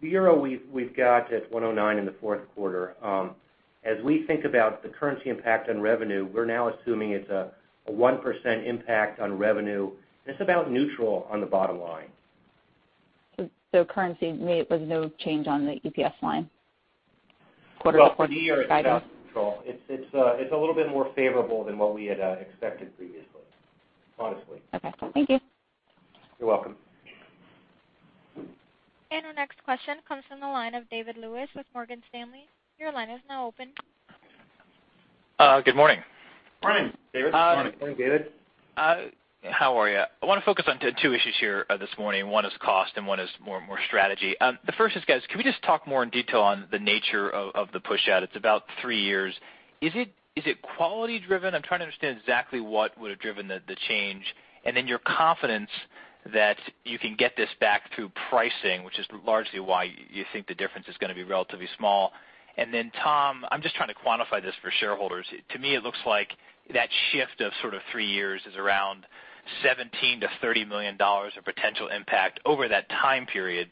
The Euro we've got at 109 in the fourth quarter. As we think about the currency impact on revenue, we're now assuming it's a 1% impact on revenue, and it's about neutral on the bottom line. Currency was no change on the EPS line quarter-to-quarter guidance? Well, for the year, it's about neutral. It's a little bit more favorable than what we had expected previously, honestly. Okay. Thank you. You're welcome. Our next question comes from the line of David Lewis with Morgan Stanley. Your line is now open. Good morning. Morning, David. Morning. Morning, David. How are you? I want to focus on two issues here this morning. One is cost and one is more strategy. The first is, guys, can we just talk more in detail on the nature of the pushout? It's about three years. Is it quality driven? I'm trying to understand exactly what would have driven the change, and then your confidence that you can get this back through pricing, which is largely why you think the difference is going to be relatively small. Tom, I'm just trying to quantify this for shareholders. To me, it looks like that shift of sort of three years is around $17 million-$30 million of potential impact over that time period,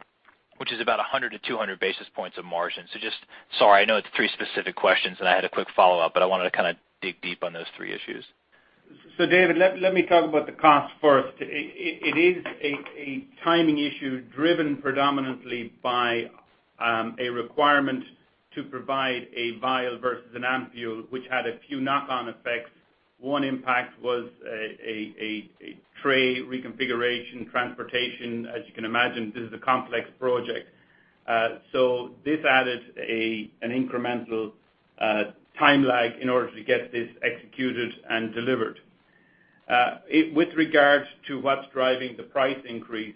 which is about 100 to 200 basis points of margin. Just, sorry, I know it's three specific questions, and I had a quick follow-up, but I wanted to kind of dig deep on those three issues. David, let me talk about the cost first. It is a timing issue driven predominantly by a requirement. To provide a vial versus an ampoule, which had a few knock-on effects. One impact was a tray reconfiguration, transportation. As you can imagine, this is a complex project. This added an incremental time lag in order to get this executed and delivered. With regards to what's driving the price increase,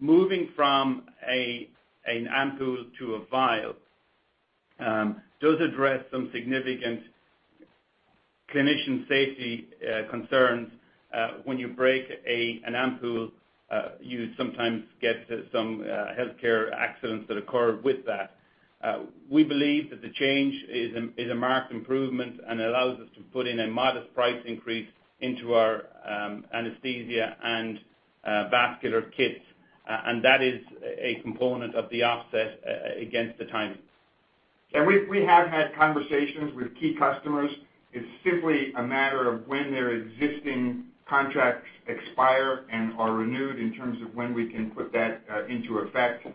moving from an ampoule to a vial does address some significant clinician safety concerns. When you break an ampoule, you sometimes get some healthcare accidents that occur with that. We believe that the change is a marked improvement and allows us to put in a modest price increase into our anesthesia and vascular kits. That is a component of the offset against the timing. We have had conversations with key customers. It's simply a matter of when their existing contracts expire and are renewed in terms of when we can put that into effect,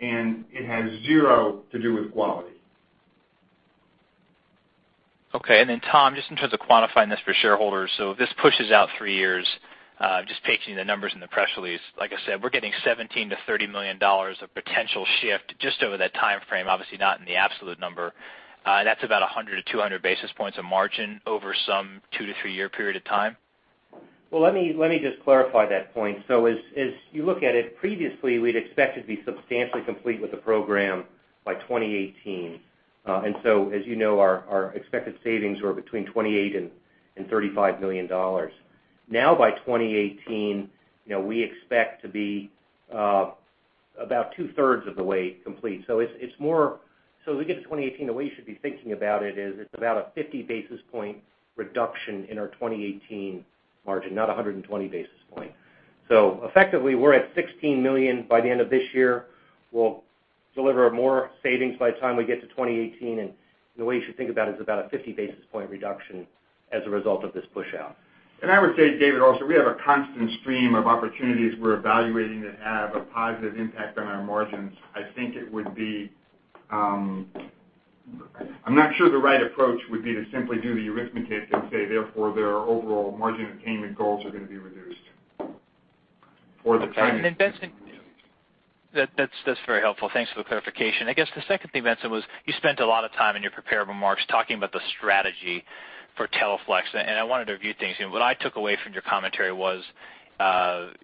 and it has zero to do with quality. Okay, Tom, just in terms of quantifying this for shareholders, if this pushes out 3 years, just taking the numbers in the press release, like I said, we're getting $17 million-$30 million of potential shift just over that time frame, obviously not in the absolute number. That's about 100-200 basis points of margin over some 2 to 3-year period of time. Well, let me just clarify that point. As you look at it previously, we'd expect to be substantially complete with the program by 2018. As you know, our expected savings were between $28 million-$35 million. Now by 2018, we expect to be about two-thirds of the way complete. As we get to 2018, the way you should be thinking about it is it's about a 50 basis point reduction in our 2018 margin, not 120 basis point. Effectively, we're at $16 million by the end of this year. We'll deliver more savings by the time we get to 2018, and the way you should think about it is about a 50 basis point reduction as a result of this push out. I would say, David, also, we have a constant stream of opportunities we're evaluating that have a positive impact on our margins. I'm not sure the right approach would be to simply do the arithmetic and say, therefore, their overall margin attainment goals are going to be reduced for the time being. That's very helpful. Thanks for the clarification. I guess the second thing, Benson, was you spent a lot of time in your prepared remarks talking about the strategy for Teleflex, and I wanted to review things. What I took away from your commentary was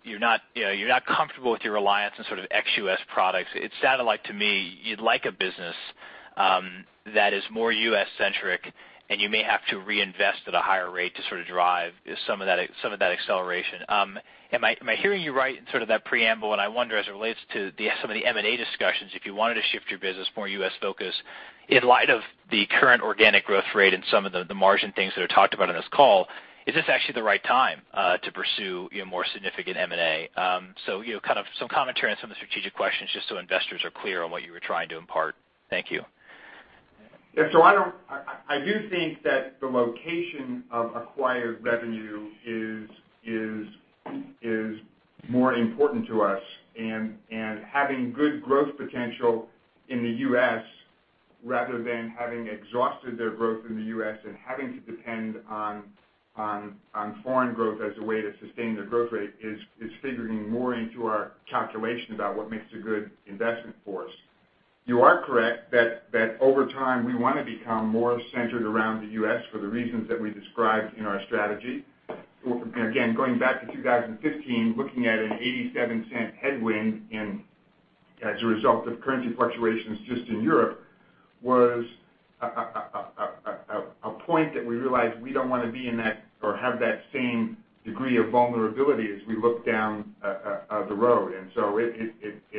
you're not comfortable with your reliance on ex-U.S. products. It sounded like to me you'd like a business that is more U.S.-centric, and you may have to reinvest at a higher rate to drive some of that acceleration. Am I hearing you right in that preamble? I wonder as it relates to some of the M&A discussions, if you wanted to shift your business more U.S.-focused in light of the current organic growth rate and some of the margin things that are talked about on this call, is this actually the right time to pursue more significant M&A? Some commentary on some of the strategic questions, just so investors are clear on what you were trying to impart. Thank you. I do think that the location of acquired revenue is more important to us, and having good growth potential in the U.S. rather than having exhausted their growth in the U.S. and having to depend on foreign growth as a way to sustain their growth rate is figuring more into our calculation about what makes a good investment for us. You are correct that over time, we want to become more centered around the U.S. for the reasons that we described in our strategy. Again, going back to 2015, looking at an $0.87 headwind as a result of currency fluctuations just in Europe was a point that we realized we don't want to be in that or have that same degree of vulnerability as we look down the road. It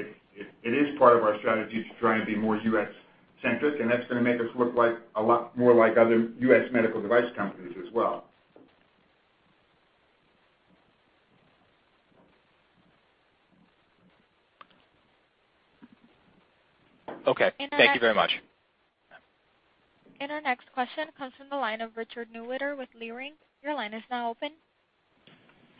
is part of our strategy to try and be more U.S.-centric, and that's going to make us look a lot more like other U.S. medical device companies as well. Okay. Thank you very much. Our next question comes from the line of Richard Newitter with Leerink. Your line is now open.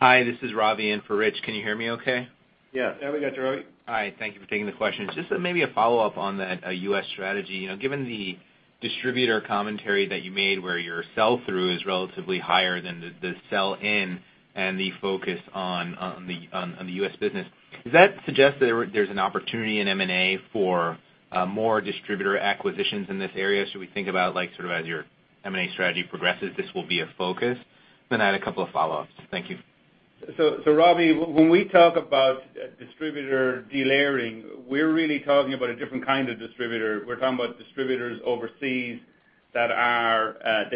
Hi, this is Ravi in for Rich. Can you hear me okay? Yes. We got you, Ravi. All right. Thank you for taking the questions. Just maybe a follow-up on that, U.S. strategy. Given the distributor commentary that you made where your sell-through is relatively higher than the sell-in and the focus on the U.S. business, does that suggest that there's an opportunity in M&A for more distributor acquisitions in this area? Should we think about as your M&A strategy progresses, this will be a focus? I had a couple of follow-ups. Thank you. Ravi, when we talk about distributor delayering, we're really talking about a different kind of distributor. We're talking about distributors overseas that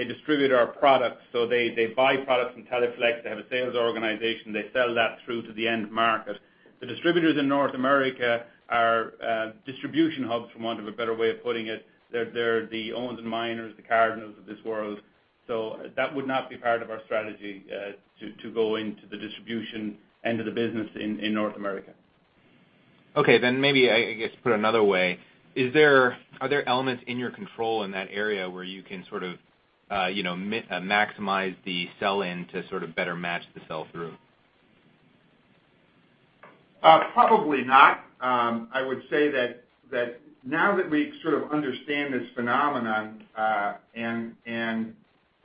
distribute our products. They buy products from Teleflex. They have a sales organization. They sell that through to the end market. The distributors in North America are distribution hubs, for want of a better way of putting it. They're the Owens & Minor, the Cardinal of this world. That would not be part of our strategy to go into the distribution end of the business in North America. Okay, maybe I guess put another way, are there elements in your control in that area where you can maximize the sell-in to better match the sell-through? Probably not. I would say that now that we sort of understand this phenomenon, and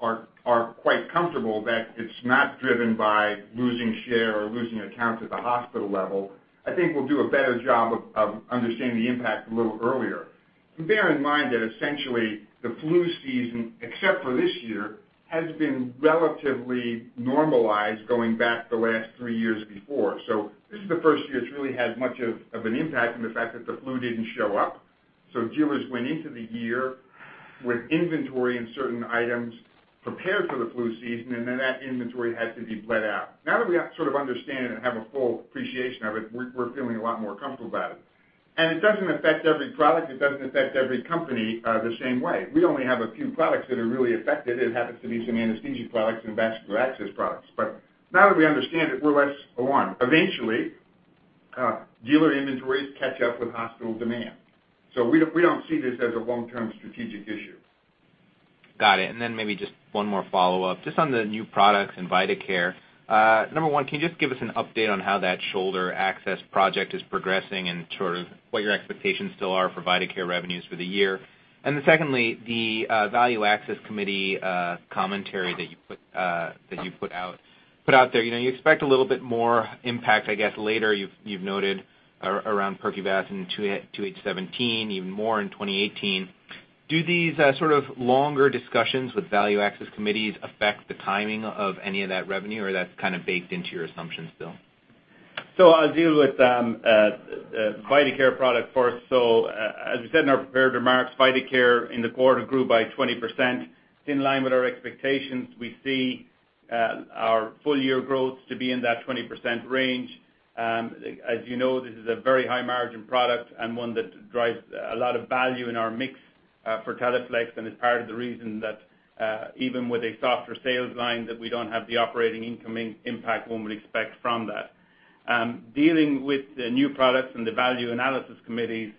are quite comfortable that it's not driven by losing share or losing accounts at the hospital level, I think we'll do a better job of understanding the impact a little earlier. Bear in mind that essentially the flu season, except for this year, has been relatively normalized going back the last three years before. This is the first year it's really had much of an impact from the fact that the flu didn't show up. Dealers went into the year with inventory and certain items prepared for the flu season, and then that inventory had to be bled out. Now that we sort of understand and have a full appreciation of it, we're feeling a lot more comfortable about it. It doesn't affect every product, it doesn't affect every company the same way. We only have a few products that are really affected. It happens to be some anesthesia products and vascular access products. Now that we understand it, we're less alarmed. Eventually, dealer inventories catch up with hospital demand. We don't see this as a long-term strategic issue. Got it. Maybe just one more follow-up, just on the new products and Vidacare. Number one, can you just give us an update on how that shoulder access project is progressing and sort of what your expectations still are for Vidacare revenues for the year? Secondly, the value analysis committee commentary that you put out there. You expect a little bit more impact, I guess, later, you've noted, around Percuvance in 2017, even more in 2018. Do these sort of longer discussions with value analysis committees affect the timing of any of that revenue, or that's kind of baked into your assumptions still? I'll deal with the Vidacare product first. As we said in our prepared remarks, Vidacare in the quarter grew by 20%, in line with our expectations. We see our full year growth to be in that 20% range. As you know, this is a very high margin product and one that drives a lot of value in our mix for Teleflex and is part of the reason that even with a softer sales line, that we don't have the operating income impact one would expect from that. Dealing with the new products and the value analysis committees,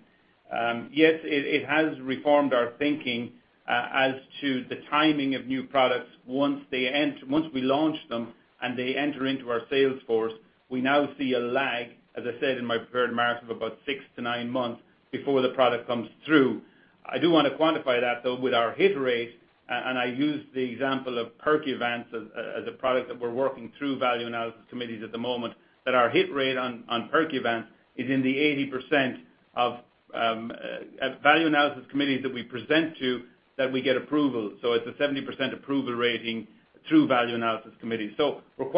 yes, it has reformed our thinking as to the timing of new products once we launch them and they enter into our sales force. We now see a lag, as I said in my prepared remarks, of about 6 to 9 months before the product comes through. I do want to quantify that, though, with our hit rate. I use the example of Percuvance as a product that we're working through value analysis committees at the moment, that our hit rate on Percuvance is in the 80% of value analysis committees that we present to, that we get approval. It's a 70% approval rating through value analysis committee. We're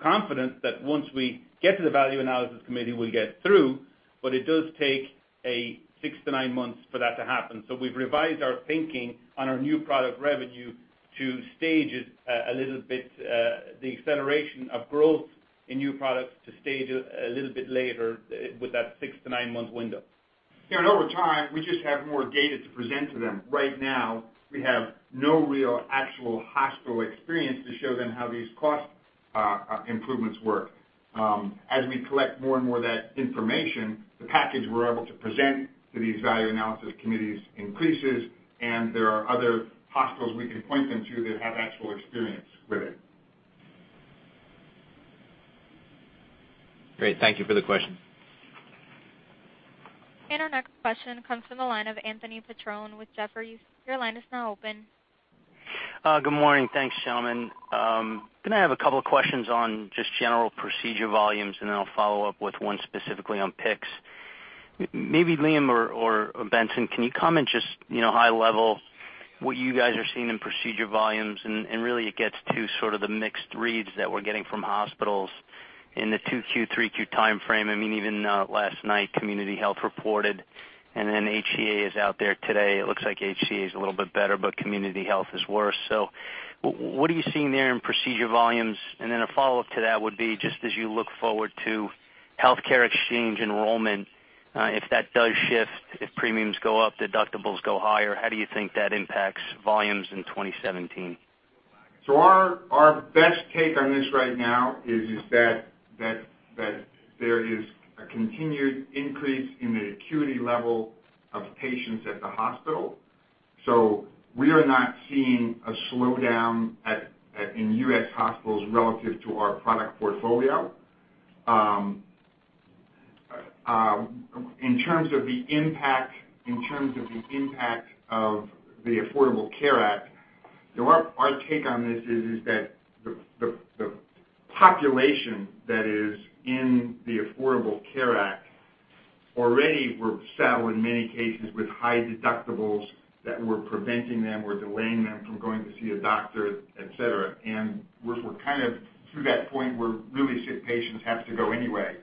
quite confident that once we get to the value analysis committee, we'll get through, but it does take a 6 to 9 months for that to happen. We've revised our thinking on our new product revenue to stage it a little bit, the acceleration of growth in new products to stage it a little bit later with that 6 to 9-month window. Over time, we just have more data to present to them. Right now, we have no real actual hospital experience to show them how these cost improvements work. As we collect more and more of that information, the package we're able to present to these value analysis committees increases, and there are other hospitals we can point them to that have actual experience with it. Great. Thank you for the question. Our next question comes from the line of Anthony Petrone with Jefferies. Your line is now open. Good morning. Thanks, gentlemen. I'm going to have a couple questions on just general procedure volumes, then I'll follow up with one specifically on PICC. Maybe Liam or Benson, can you comment just high level what you guys are seeing in procedure volumes and really it gets to sort of the mixed reads that we're getting from hospitals in the 2Q, 3Q timeframe. I mean, even last night, Community Health reported, HCA is out there today. It looks like HCA is a little bit better, but Community Health is worse. What are you seeing there in procedure volumes? A follow-up to that would be just as you look forward to healthcare exchange enrollment, if that does shift, if premiums go up, deductibles go higher, how do you think that impacts volumes in 2017? Our best take on this right now is that there is a continued increase in the acuity level of patients at the hospital. We are not seeing a slowdown in U.S. hospitals relative to our product portfolio. In terms of the impact of the Affordable Care Act, our take on this is that the population that is in the Affordable Care Act already were saddled in many cases with high deductibles that were preventing them or delaying them from going to see a doctor, et cetera. We're kind of to that point where really sick patients have to go anyway.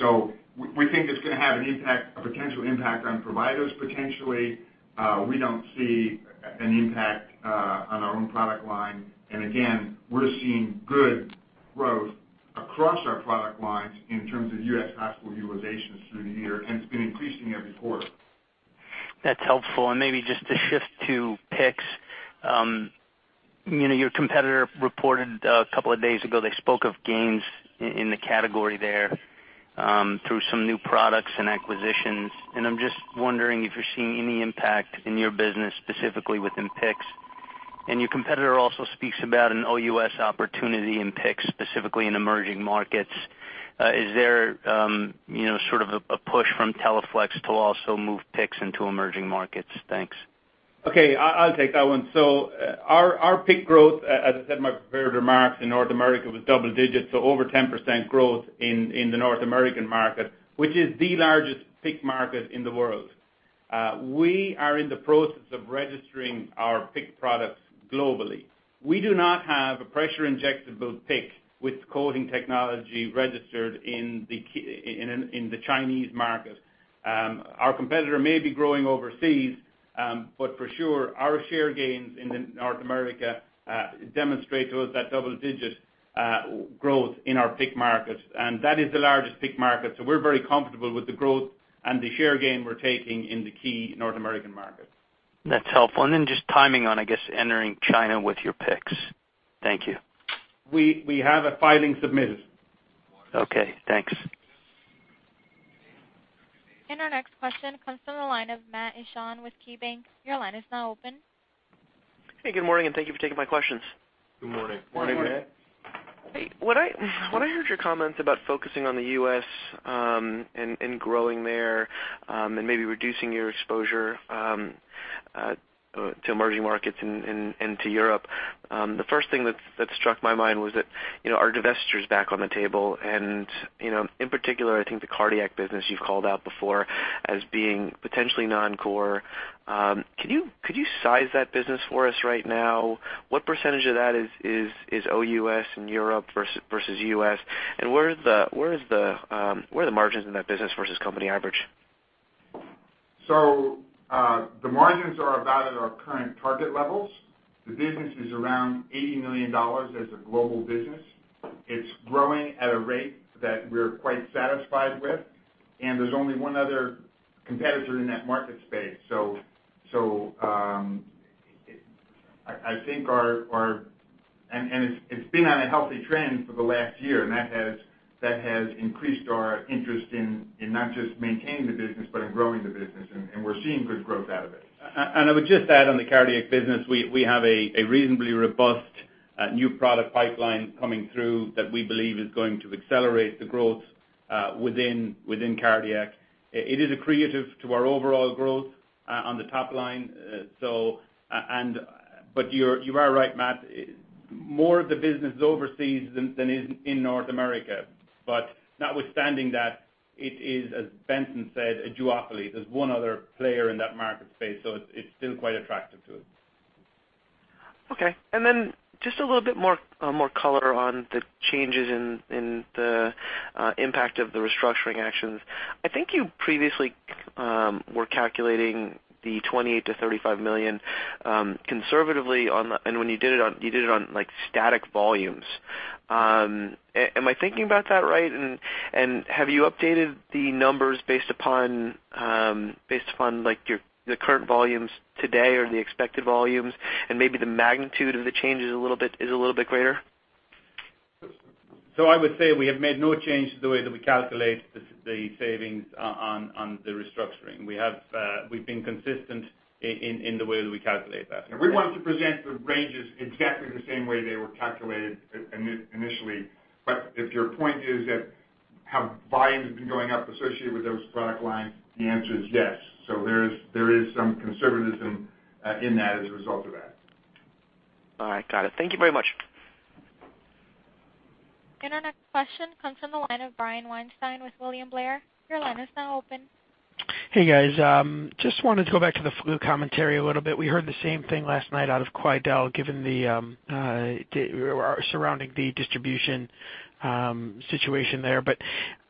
We think it's going to have a potential impact on providers potentially. We don't see an impact on our own product line. Again, we're seeing good growth across our product lines in terms of U.S. hospital utilizations through the year, and it's been increasing every quarter. That's helpful. Maybe just to shift to PICC. Your competitor reported a couple of days ago, they spoke of gains in the category there through some new products and acquisitions, and I'm just wondering if you're seeing any impact in your business, specifically within PICC. Your competitor also speaks about an OUS opportunity in PICC, specifically in emerging markets. Is there sort of a push from Teleflex to also move PICCs into emerging markets? Thanks. Okay. I'll take that one. Our PICC growth, as I said in my prepared remarks, in North America was double digits, so over 10% growth in the North American market, which is the largest PICC market in the world. We are in the process of registering our PICC products globally. We do not have a pressure injectable PICC with coating technology registered in the Chinese market. Our competitor may be growing overseas, but for sure, our share gains in North America demonstrate to us that double-digit growth in our PICC markets. That is the largest PICC market, so we're very comfortable with the growth and the share gain we're taking in the key North American market. That's helpful. Then just timing on, I guess, entering China with your PICCs. Thank you. We have a filing submitted. Okay, thanks. Our next question comes from the line of Matt Mishan with KeyBanc. Your line is now open. Hey, good morning, thank you for taking my questions. Good morning. Morning, Matt. Hey. When I heard your comments about focusing on the U.S. and growing there, and maybe reducing your exposure to emerging markets and to Europe, the first thing that struck my mind was that, are divestitures back on the table? In particular, I think the cardiac business you've called out before as being potentially non-core. Could you size that business for us right now? What % of that is OUS and Europe versus U.S., and where are the margins in that business versus company average? The margins are about at our current target levels. The business is around $80 million as a global business. It's growing at a rate that we're quite satisfied with, and there's only one other competitor in that market space. It's been on a healthy trend for the last year, and that has increased our interest in not just maintaining the business but in growing the business, and we're seeing good growth out of it. I would just add on the cardiac business, we have a reasonably robust new product pipeline coming through that we believe is going to accelerate the growth within cardiac. It is accretive to our overall growth on the top line. You are right, Matt. More of the business is overseas than is in North America. Notwithstanding that, it is, as Benson said, a duopoly. There's one other player in that market space, so it's still quite attractive to us. Okay. Just a little bit more color on the changes in the impact of the restructuring actions. I think you previously were calculating the $28 million-$35 million conservatively, and when you did it, you did it on static volumes. Am I thinking about that right? Have you updated the numbers based upon the current volumes today or the expected volumes, and maybe the magnitude of the change is a little bit greater? I would say we have made no change to the way that we calculate the savings on the restructuring. We've been consistent in the way that we calculate that. We want to present the ranges exactly the same way they were calculated initially. If your point is that have volumes been going up associated with those product lines, the answer is yes. There is some conservatism in that as a result of that. All right. Got it. Thank you very much. Our next question comes from the line of Brian Weinstein with William Blair. Your line is now open. Hey, guys. Just wanted to go back to the flu commentary a little bit. We heard the same thing last night out of Quidel given the surrounding distribution situation there.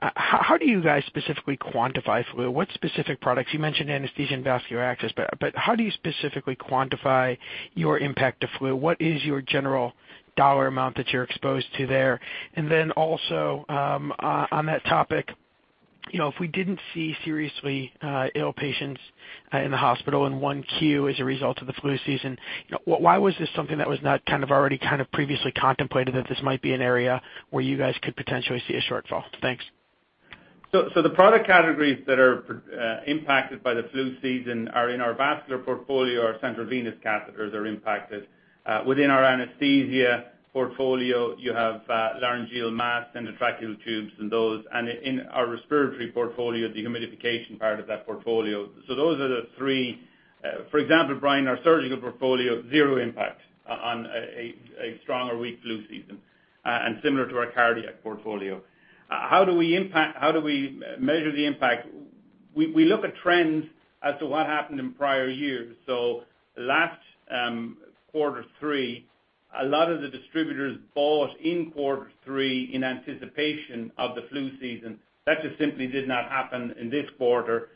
How do you guys specifically quantify flu? What specific products, you mentioned anesthesia and vascular access, but how do you specifically quantify your impact of flu? What is your general dollar amount that you're exposed to there? Then also, on that topic, if we didn't see seriously ill patients in the hospital in 1Q as a result of the flu season, why was this something that was not kind of already previously contemplated that this might be an area where you guys could potentially see a shortfall? Thanks. The product categories that are impacted by the flu season are in our vascular portfolio. Our central venous catheters are impacted. Within our anesthesia portfolio, you have laryngeal masks and endotracheal tubes and those. In our respiratory portfolio, the humidification part of that portfolio. Those are the three. For example, Brian, our surgical portfolio, zero impact on a strong or weak flu season, and similar to our cardiac portfolio. How do we measure the impact? We look at trends as to what happened in prior years. Last quarter three, a lot of the distributors bought in quarter three in anticipation of the flu season. That just simply did not happen in this quarter.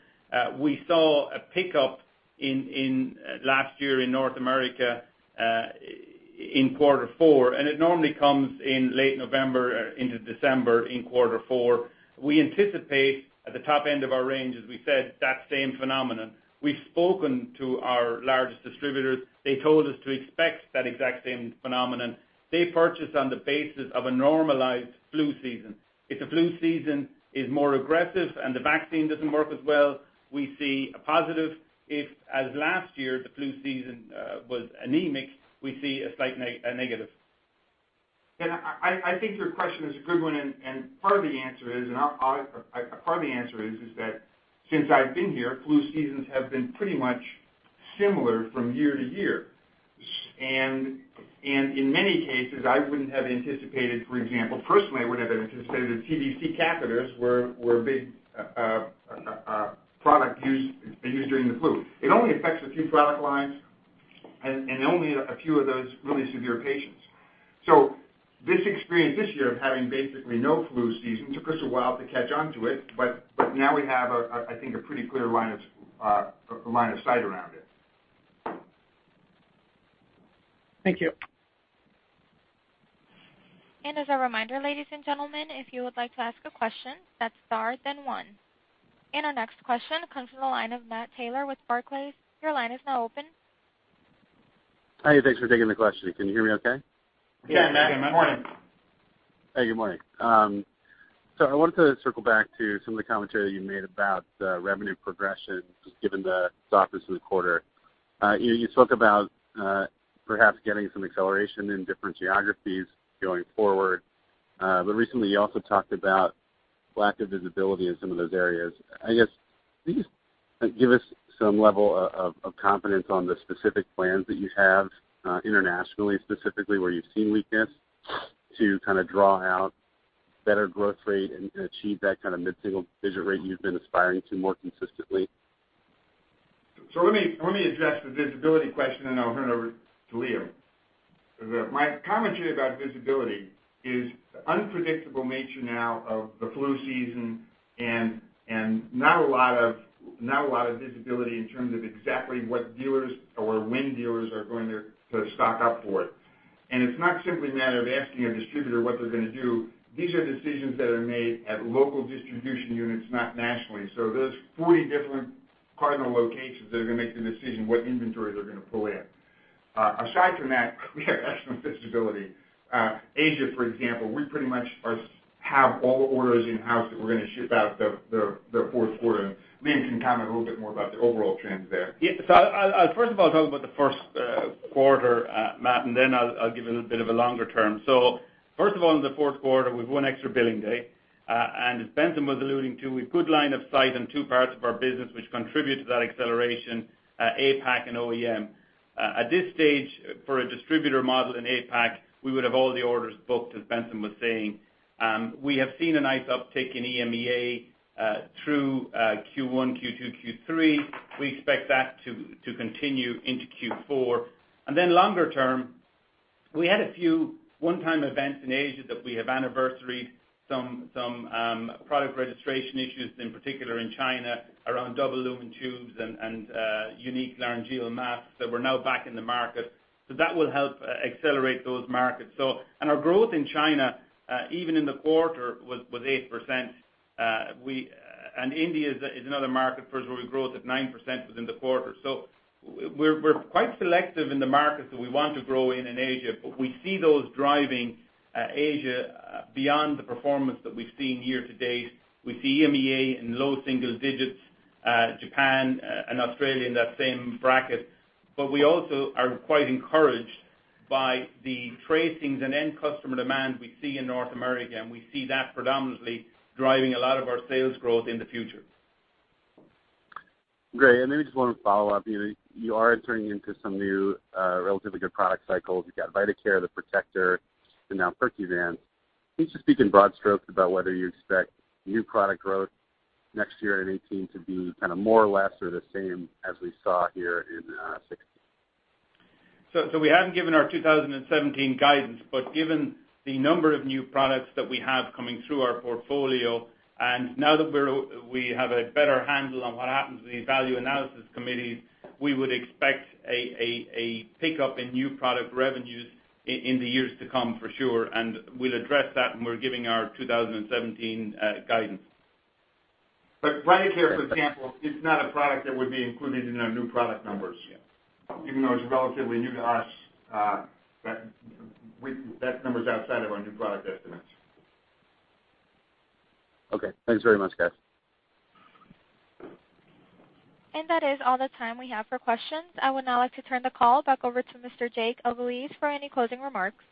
We saw a pickup last year in North America in quarter four, and it normally comes in late November into December in quarter four. We anticipate at the top end of our range, as we said, that same phenomenon. We've spoken to our largest distributors. They told us to expect that exact same phenomenon. They purchase on the basis of a normalized flu season. If the flu season is more aggressive and the vaccine doesn't work as well, we see a positive. If, as last year, the flu season was anemic, we see a slight negative. I think your question is a good one, and part of the answer is that since I've been here, flu seasons have been pretty much similar from year to year. In many cases, I wouldn't have anticipated, for example, personally, I wouldn't have anticipated that CVC catheters were a big product being used during the flu. It only affects a few product lines and only a few of those really severe patients. This experience this year of having basically no flu season took us a while to catch onto it, but now we have, I think, a pretty clear line of sight around it. Thank you. As a reminder, ladies and gentlemen, if you would like to ask a question, that's star then one. Our next question comes from the line of Matt Taylor with Barclays. Your line is now open. Hi, thanks for taking the question. Can you hear me okay? Yeah, Matt. Good morning. Yeah, Matt. Good morning. I wanted to circle back to some of the commentary you made about the revenue progression, just given the softness of the quarter. You spoke about perhaps getting some acceleration in different geographies going forward, but recently you also talked about lack of visibility in some of those areas. I guess, can you just give us some level of confidence on the specific plans that you have internationally, specifically where you've seen weakness to kind of draw out better growth rate and achieve that kind of mid-single-digit rate you've been aspiring to more consistently? Let me address the visibility question, and I'll turn it over to Liam. My commentary about visibility is the unpredictable nature now of the flu season and not a lot of visibility in terms of exactly what dealers or when dealers are going to stock up for it. It's not simply a matter of asking a distributor what they're going to do. These are decisions that are made at local distribution units, not nationally. Those 40 different Cardinal locations that are going to make the decision what inventory they're going to pull in. Aside from that, we have excellent visibility. Asia, for example, we pretty much have all the orders in-house that we're going to ship out the fourth quarter. Liam can comment a little bit more about the overall trends there. Yeah. I'll first of all talk about the first quarter, Matt, and then I'll give a little bit of a longer term. First of all, in the fourth quarter, we've one extra billing day, and as Benson was alluding to, a good line of sight in two parts of our business which contribute to that acceleration, APAC and OEM. At this stage, for a distributor model in APAC, we would have all the orders booked, as Benson was saying. We have seen a nice uptick in EMEA through Q1, Q2, Q3. We expect that to continue into Q4. Then longer term, we had a few one-time events in Asia that we have anniversaried some product registration issues, in particular in China, around double lumen tubes and LMA Unique laryngeal masks that were now back in the market. That will help accelerate those markets. Our growth in China, even in the quarter, was 8%. India is another market for us where we grew at 9% within the quarter. We're quite selective in the markets that we want to grow in Asia, but we see those driving Asia beyond the performance that we've seen year-to-date. We see EMEA in low single digits, Japan and Australia in that same bracket. We also are quite encouraged by the tracings and end customer demand we see in North America, and we see that predominantly driving a lot of our sales growth in the future. Great. Maybe just one follow-up. You are entering into some new, relatively good product cycles. You've got Vidacare, the Protector, and now Percuvance. Can you just speak in broad strokes about whether you expect new product growth next year in 2018 to be kind of more or less or the same as we saw here in 2016? We haven't given our 2017 guidance, but given the number of new products that we have coming through our portfolio, and now that we have a better handle on what happens with these value analysis committees, we would expect a pick-up in new product revenues in the years to come for sure, and we'll address that when we're giving our 2017 guidance. Vidacare, for example, is not a product that would be included in our new product numbers. Yeah. Even though it's relatively new to us, that number's outside of our new product estimates. Okay. Thanks very much, guys. That is all the time we have for questions. I would now like to turn the call back over to Mr. Jake Elguicze for any closing remarks.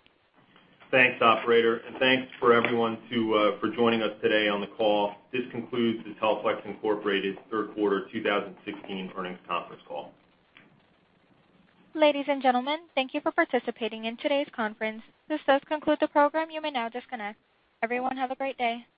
Thanks, operator, and thanks for everyone for joining us today on the call. This concludes the Teleflex Incorporated third quarter 2016 earnings conference call. Ladies and gentlemen, thank you for participating in today's conference. This does conclude the program. You may now disconnect. Everyone have a great day.